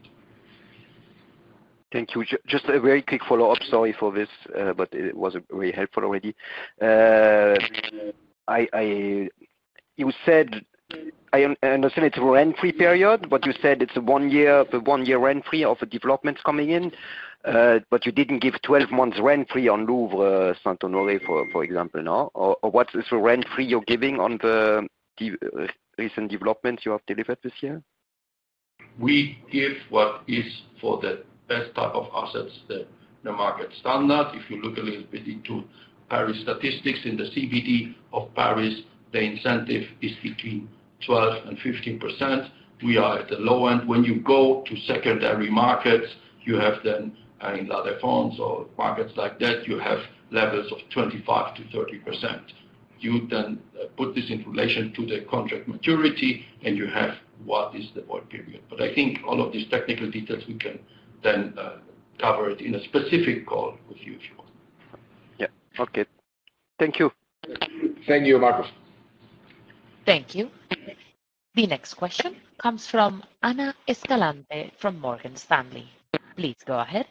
Thank you. Just a very quick follow-up. Sorry for this, but it was very helpful already. I, I you said I understand it's a rent-free period, but you said it's a one-year one-year rent-free of the developments coming in. But you didn't give 12 months rent-free on Louvre Saint-Honoré, for example, no. Or what is the rent-free you're giving on the recent developments you have delivered this year? We give what is for the best type of assets, the market standard. If you look a little bit into Paris statistics in the CBD of Paris, the incentive is between 12%-15%. We are at the low end. When you go to secondary markets, you have then in La Défense or markets like that, you have levels of 25%-30%. You then put this in relation to the contract maturity, and you have what is the void period. But I think all of these technical details, we can then cover it in a specific call with you if you want. Yeah. Okay. Thank you. Thank you, Marcus. Thank you. The next question comes from Ana Escalante from Morgan Stanley. Please go ahead.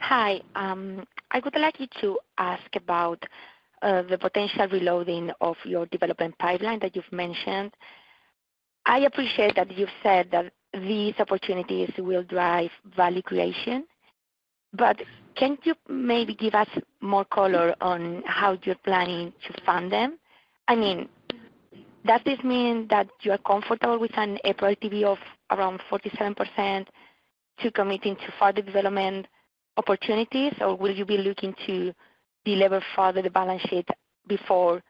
Hi. I would like you to ask about, the potential reloading of your development pipeline that you've mentioned. I appreciate that you've said that these opportunities will drive value creation. But can you maybe give us more color on how you're planning to fund them? I mean, does this mean that you are comfortable with an EPRA LTV of around 47% to committing to further development opportunities, or will you be looking to deliver further the balance sheet before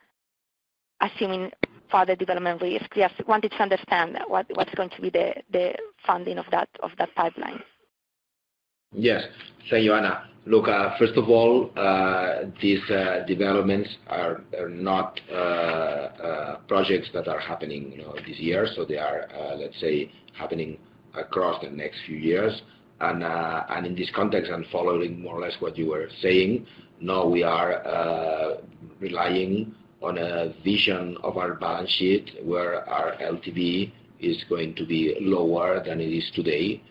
assuming further development risk? We just wanted to understand what's going to be the funding of that pipeline. Yes. Thank you, Ana. Look, first of all, these developments are not projects that are happening, you know, this year. So they are, let's say, happening across the next few years. And in this context and following more or less what you were saying, no, we are relying on a vision of our balance sheet where our LTV is going to be lower than it is today.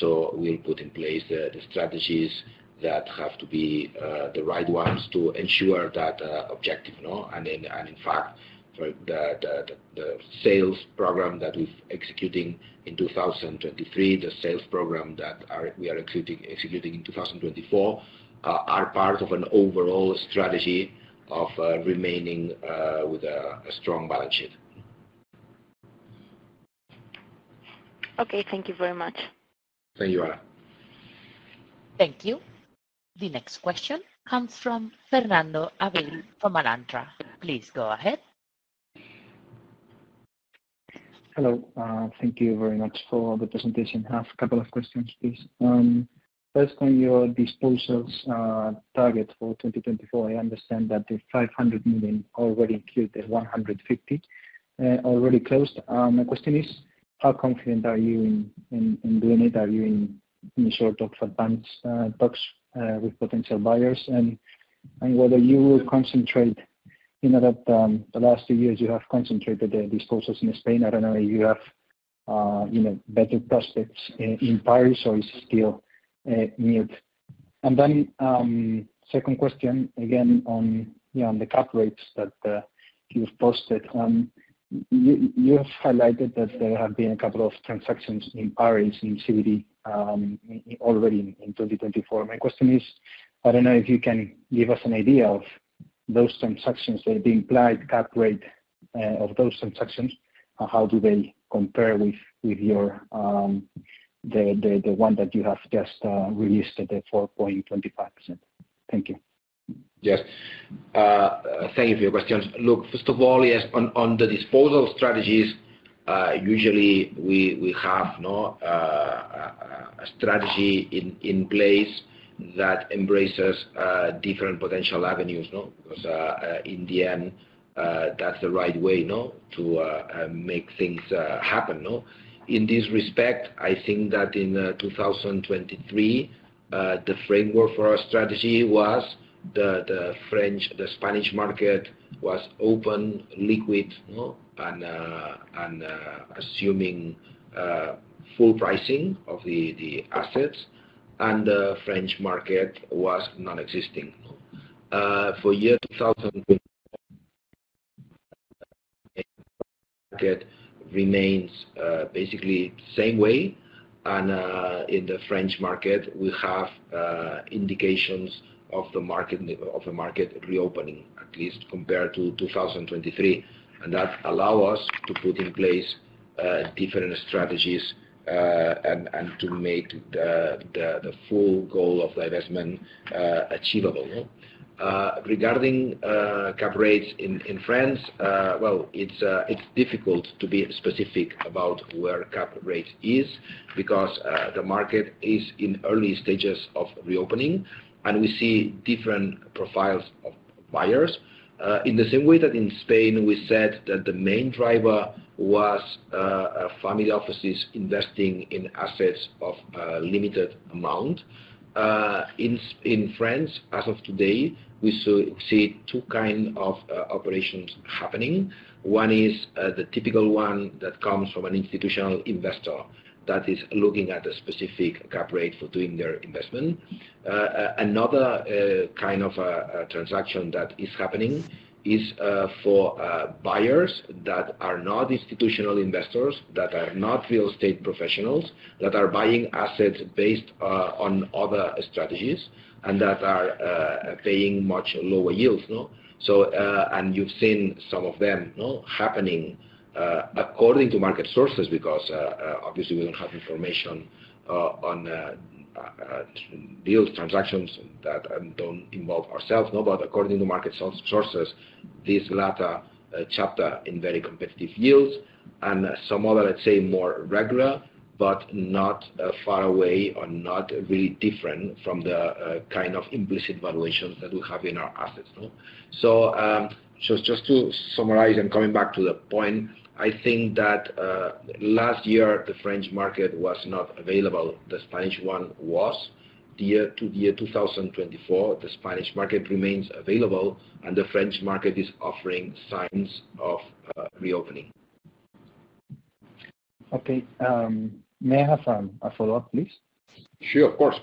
So we'll put in place the strategies that have to be, the right ones to ensure that objective, no. And in fact, for the sales program that we've executing in 2023, the sales program that we are executing in 2024 are part of an overall strategy of remaining, with a strong balance sheet. Okay. Thank you very much. Thank you, Ana. Thank you. The next question comes from Fernando Abril from Alantra. Please go ahead. Hello. Thank you very much for the presentation. I have a couple of questions, please. First, on your disposals, target for 2024, I understand that the 500 million already includes the 150 million already closed. My question is, how confident are you in doing it? Are you in short talks advance, talks, with potential buyers? And, and whether you will concentrate in the last two years, you have concentrated the disposals in Spain. I don't know if you have, you know, better prospects in Paris or it's still moot. And then, second question, again on the cap rates that you've posted. You have highlighted that there have been a couple of transactions in Paris in CBD, already in 2024. My question is, I don't know if you can give us an idea of those transactions, the implied cap rate of those transactions, how do they compare with your the one that you have just released at the 4.25%? Thank you. Yes. Thank you for your questions. Look, first of all, yes, on the disposal strategies, usually we have a strategy in place that embraces different potential avenues, because in the end, that's the right way to make things happen. In this respect, I think that in 2023, the framework for our strategy was the Spanish market was open, liquid, no, and assuming full pricing of the assets. And the French market was nonexistent, no. For year 2024, the French market remains basically the same way. And in the French market, we have indications of the market reopening, at least compared to 2023. And that allow us to put in place different strategies, and to make the full goal of the investment achievable, no. Regarding cap rates in France, well, it's difficult to be specific about where cap rate is because the market is in early stages of reopening. We see different profiles of buyers, in the same way that in Spain, we said that the main driver was family offices investing in assets of a limited amount. In France, as of today, we see two kind of operations happening. One is the typical one that comes from an institutional investor that is looking at a specific cap rate for doing their investment. Another kind of a transaction that is happening is for buyers that are not institutional investors, that are not real estate professionals, that are buying assets based on other strategies and that are paying much lower yields, no. So, and you've seen some of them, no, happening, according to market sources because, obviously, we don't have information on deals, transactions that don't involve ourselves, no. But according to market sources, these latter cap rates in very competitive yields and some other, let's say, more regular but not far away or not really different from the kind of implicit valuations that we have in our assets, no. So, so just to summarize and coming back to the point, I think that, last year, the French market was not available. The Spanish one was to year 2024. The Spanish market remains available, and the French market is offering signs of reopening. Okay. May I have a follow-up, please? Sure, of course.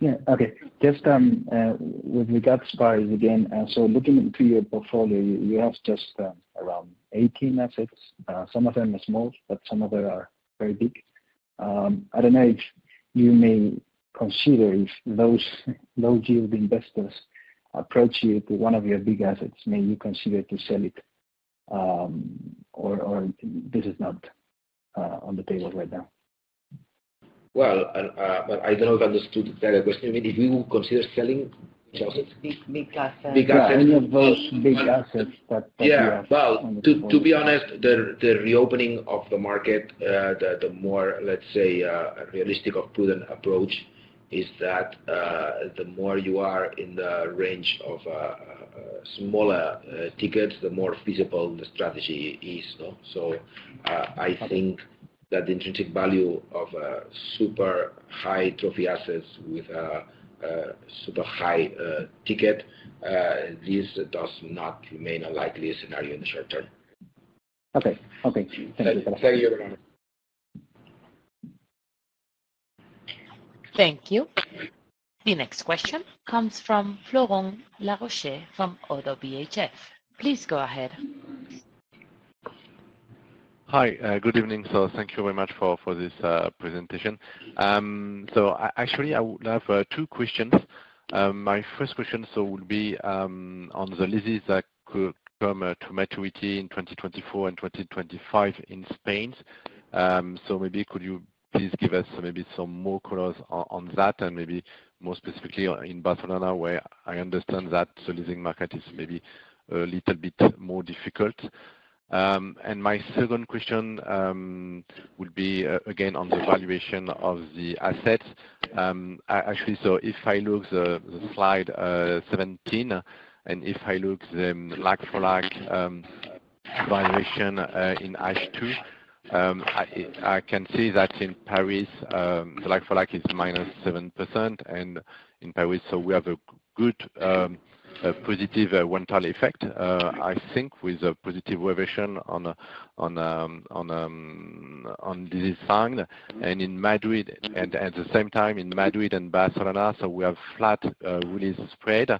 Yeah. Okay. Just, with regards to Paris, again, so looking into your portfolio, you have just around 18 assets. Some of them are small, but some of them are very big. I don't know if you may consider if those low-yield investors approach you to one of your big assets, may you consider to sell it, or this is not on the table right now? Well, but I don't know if I understood the question. You mean if we would consider selling which assets? Big assets. Big assets. Any of those big assets that you have on the portfolio. Yeah. Well, to be honest, the reopening of the market, the more, let's say, realistic of prudent approach is that the more you are in the range of smaller tickets, the more feasible the strategy is, no. So I think that the intrinsic value of a super high trophy assets with a super high ticket, this does not remain a likely scenario in the short term. Okay. Okay. Thank you, everyone. Thank you. The next question comes from Florent Laroche from ODDO BHF. Please go ahead. Hi. Good evening. So thank you very much for this presentation. So actually, I would have two questions. My first question will be on the leases that could come to maturity in 2024 and 2025 in Spain. So maybe could you please give us maybe some more colors on that and maybe more specifically in Barcelona where I understand that the leasing market is maybe a little bit more difficult. And my second question would be, again, on the valuation of the assets. Actually, so if I look at the slide 17 and if I look at the like-for-like valuation in H2, I can see that in Paris, the like-for-like is -7%. And in Paris, so we have a good positive one-time effect, I think, with a positive reversion on leases signed. In Madrid and at the same time, in Madrid and Barcelona, so we have flat re-leasing spread.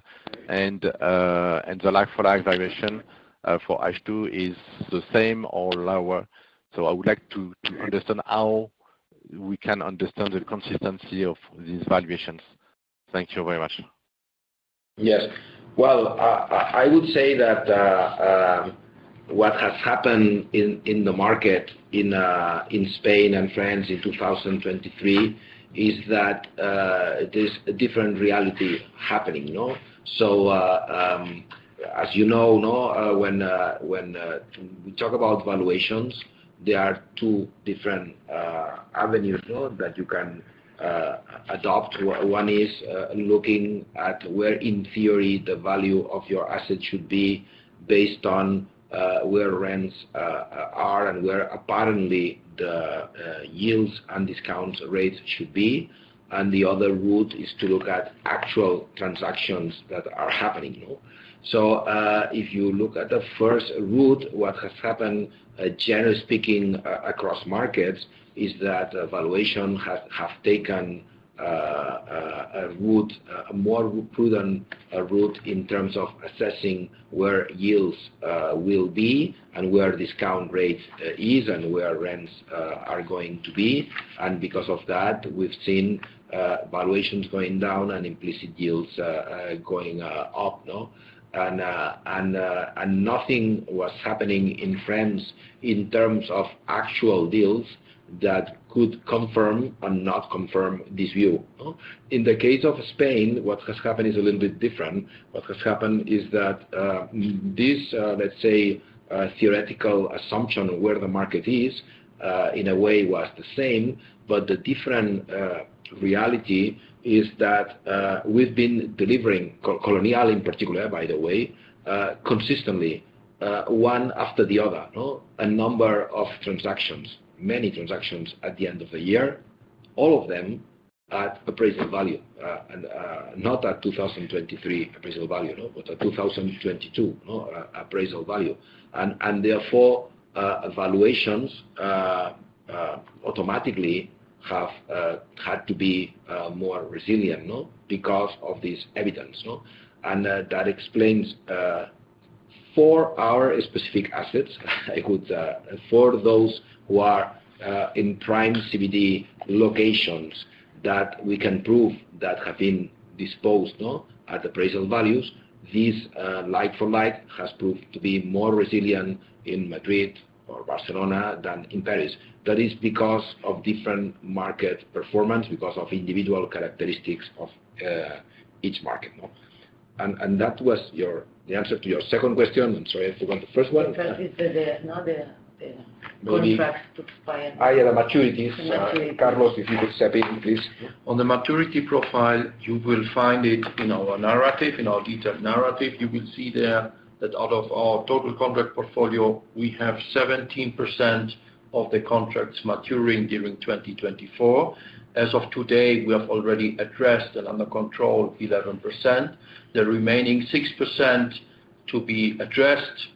And the like-for-like valuation for H2 is the same or lower. So I would like to understand how we can understand the consistency of these valuations. Thank you very much. Yes. Well, I would say that what has happened in the market in Spain and France in 2023 is that there's a different reality happening, no. So as you know, when we talk about valuations, there are two different avenues that you can adopt. One is looking at where, in theory, the value of your asset should be based on where rents are and where apparently the yields and discount rates should be. And the other route is to look at actual transactions that are happening, no. So if you look at the first route, what has happened, generally speaking, across markets is that valuations have taken a more prudent route in terms of assessing where yields will be and where discount rates are and where rents are going to be. And because of that, we've seen valuations going down and implicit yields going up, no. Nothing was happening in France in terms of actual deals that could confirm and not confirm this view, no. In the case of Spain, what has happened is a little bit different. What has happened is that this, let's say, theoretical assumption of where the market is, in a way, was the same. But the different reality is that we've been delivering Colonial, in particular, by the way, consistently, one after the other, no, a number of transactions, many transactions at the end of the year, all of them at appraisal value, not at 2023 appraisal value, no, but at 2022 appraisal value. And therefore, valuations automatically have had to be more resilient because of this evidence, no. And that explains for our specific assets, I could for those who are in prime CBD locations that we can prove that have been disposed at appraisal values, this like-for-like has proved to be more resilient in Madrid or Barcelona than in Paris. That is because of different market performance, because of individual characteristics of each market, no. And that was the answer to your second question. I'm sorry I forgot the first one. Because it's the contract to expire. Yeah, the maturities. Carlos, if you could step in, please. On the maturity profile, you will find it in our narrative, in our detailed narrative. You will see there that out of our total contract portfolio, we have 17% of the contracts maturing during 2024. As of today, we have already addressed and under control 11%. The remaining 6% to be addressed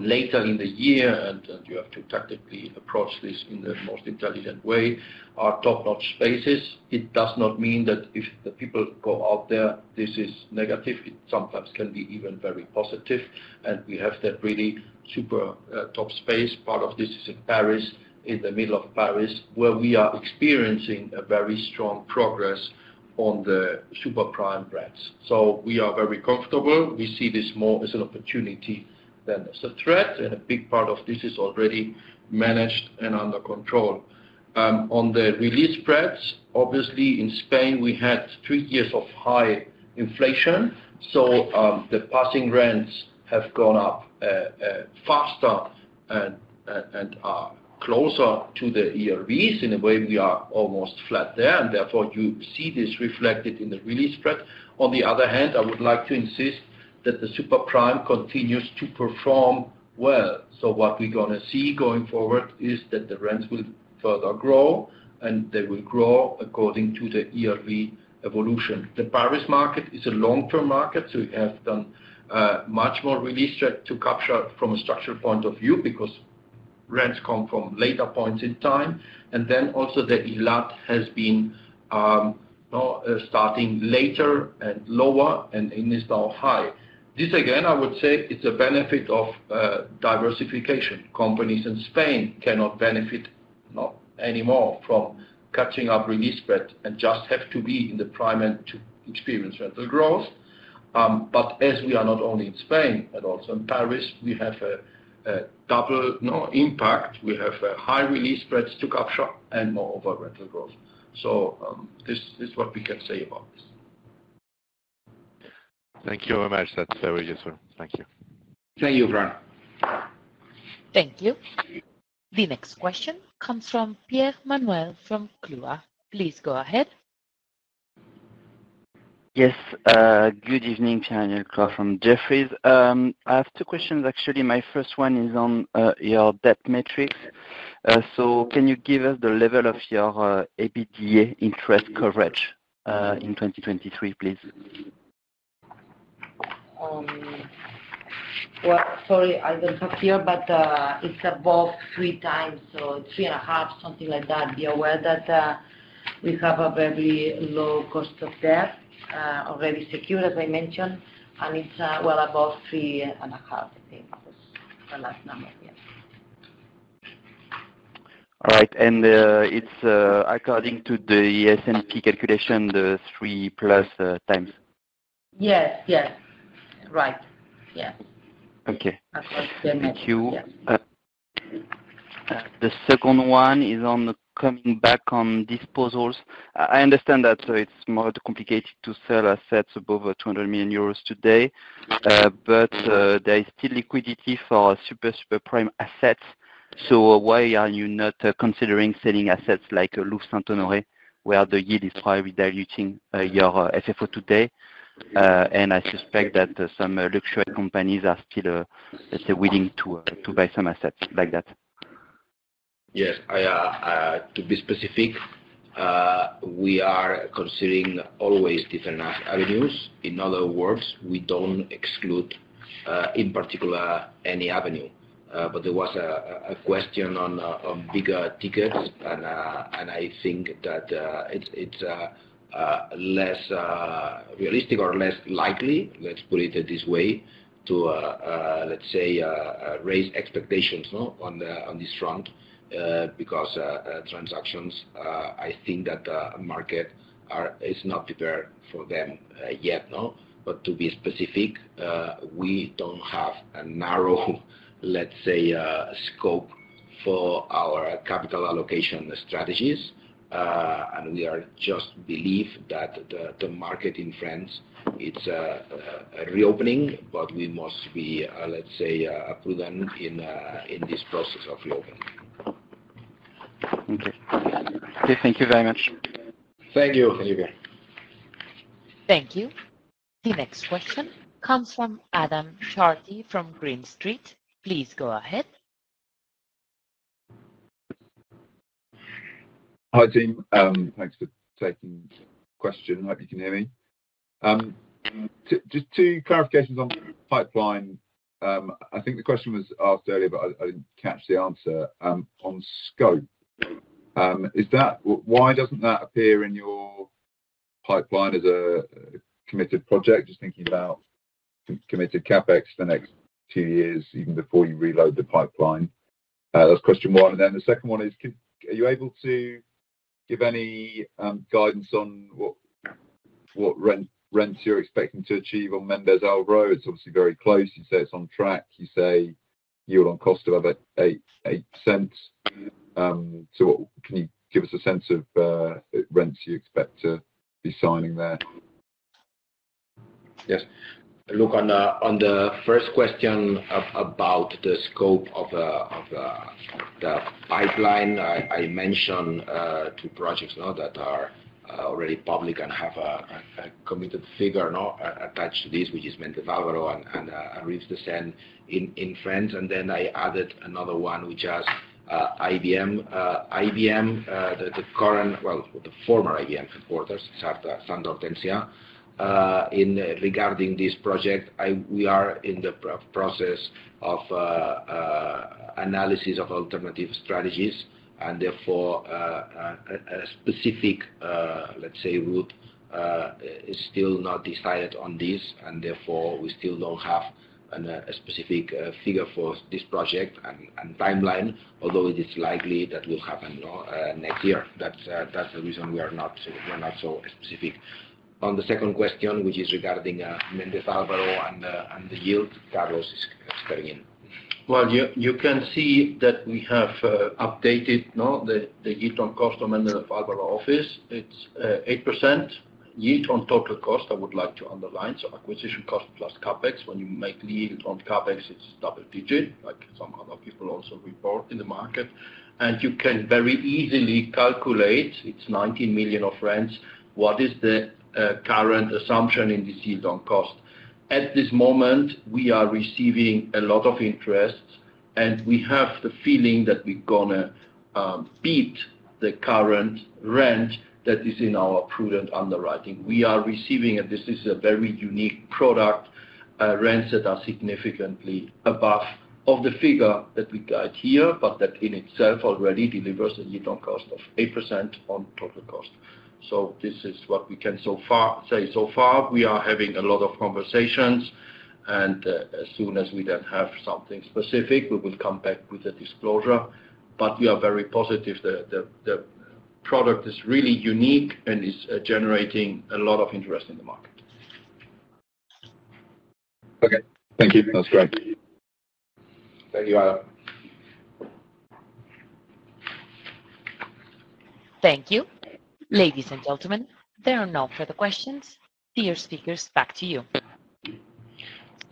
later in the year, and you have to tactically approach this in the most intelligent way, are top-notch spaces. It does not mean that if the people go out there, this is negative. It sometimes can be even very positive. And we have that really super top space. Part of this is in Paris, in the middle of Paris, where we are experiencing a very strong progress on the superprime brands. So we are very comfortable. We see this more as an opportunity than as a threat. A big part of this is already managed and under control. On the re-leasing spreads, obviously, in Spain, we had three years of high inflation. So the passing rents have gone up faster and are closer to the ERVs. In a way, we are almost flat there. And therefore, you see this reflected in the re-leasing spread. On the other hand, I would like to insist that the superprime continues to perform well. So what we're going to see going forward is that the rents will further grow, and they will grow according to the ERV evolution. The Paris market is a long-term market. So we have done much more re-leasing spread to capture from a structural point of view because rents come from later points in time. And then also, the EPRA LTV has been starting later and lower and in its low-high. This, again, I would say, is a benefit of diversification. Companies in Spain cannot benefit anymore from catching up re-leasing spread and just have to be in the prime end to experience rental growth. But as we are not only in Spain, but also in Paris, we have a double impact. We have high re-leasing spreads to capture and moreover rental growth. So this is what we can say about this. Thank you very much. That's very useful. Thank you. Thank you, Florent. Thank you. The next question comes from Pierre-Emmanuel Clouard. Please go ahead. Yes. Good evening, Pierre-Emmanuel Clouard from Jefferies. I have two questions, actually. My first one is on your debt metrics. So can you give us the level of your EBITDA interest coverage in 2023, please? Well, sorry, I don't have here, but it's above 3x. So 3.5x, something like that. Be aware that we have a very low cost of debt, already secured, as I mentioned. And it's well above 3.5, I think, was the last number. Yeah. All right. And it's according to the S&P calculation, the 3+ times? Yes. Yes. Right. Yes. According to the metrics. Okay. Thank you. The second one is on coming back on disposals. I understand that. So it's more complicated to sell assets above 200 million euros today. But there is still liquidity for super, superprime assets. So why are you not considering selling assets like Louvre Saint-Honoré where the yield is probably diluting your FFO today? And I suspect that some luxury companies are still, let's say, willing to buy some assets like that. Yes. To be specific, we are considering always different avenues. In other words, we don't exclude, in particular, any avenue. But there was a question on bigger tickets. And I think that it's less realistic or less likely, let's put it this way, to, let's say, raise expectations on this front because transactions, I think that the market is not prepared for them yet, no. But to be specific, we don't have a narrow, let's say, scope for our capital allocation strategies. And we just believe that the market in France, it's a reopening. But we must be, let's say, prudent in this process of reopening. Okay. Okay. Thank you very much. Thank you. Thank you, Pierre. Thank you. The next question comes from Adam Charty from Green Street. Please go ahead. Hi team. Thanks for taking the question. Hope you can hear me. Just two clarifications on pipeline. I think the question was asked earlier, but I didn't catch the answer on scope. Why doesn't that appear in your pipeline as a committed project? Just thinking about committed CapEx the next two years, even before you reload the pipeline. That's question one. And then the second one is, are you able to give any guidance on what rents you're expecting to achieve on Méndez Álvaro? It's obviously very close. You say it's on track. You say yield on cost of about 8%. So can you give us a sense of rents you expect to be signing there? Yes. Look, on the first question about the scope of the pipeline, I mentioned two projects that are already public and have a committed figure attached to this, which is Méndez Álvaro and Rives de Seine in France. Then I added another one, which has IBM, the current, well, the former IBM headquarters, Santa Hortensia, regarding this project. We are in the process of analysis of alternative strategies. Therefore, a specific, let's say, route is still not decided on this. Therefore, we still don't have a specific figure for this project and timeline, although it is likely that will happen next year. That's the reason we are not so specific. On the second question, which is regarding Méndez Álvaro and the yield, Carlos is stepping in. Well, you can see that we have updated the yield on cost of Méndez Álvaro office. It's 8% yield on total cost, I would like to underline. So acquisition cost plus CapEx. When you make the yield on CapEx, it's double-digit, like some other people also report in the market. You can very easily calculate it's 19 million of rents. What is the current assumption in this yield on cost? At this moment, we are receiving a lot of interest. We have the feeling that we're going to beat the current rent that is in our prudent underwriting. We are receiving and this is a very unique product, rents that are significantly above of the figure that we guide here, but that in itself already delivers a yield on cost of 8% on total cost. So this is what we can say so far. We are having a lot of conversations. As soon as we then have something specific, we will come back with a disclosure. But we are very positive. The product is really unique and is generating a lot of interest in the market. Okay. Thank you. That's great. Thank you, Adam. Thank you. Ladies and gentlemen, there are no further questions. Dear speakers, back to you.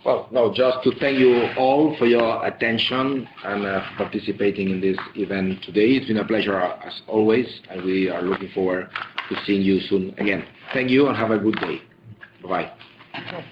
Well, no, just to thank you all for your attention and participating in this event today. It's been a pleasure, as always. We are looking forward to seeing you soon again. Thank you and have a good day. Bye-bye.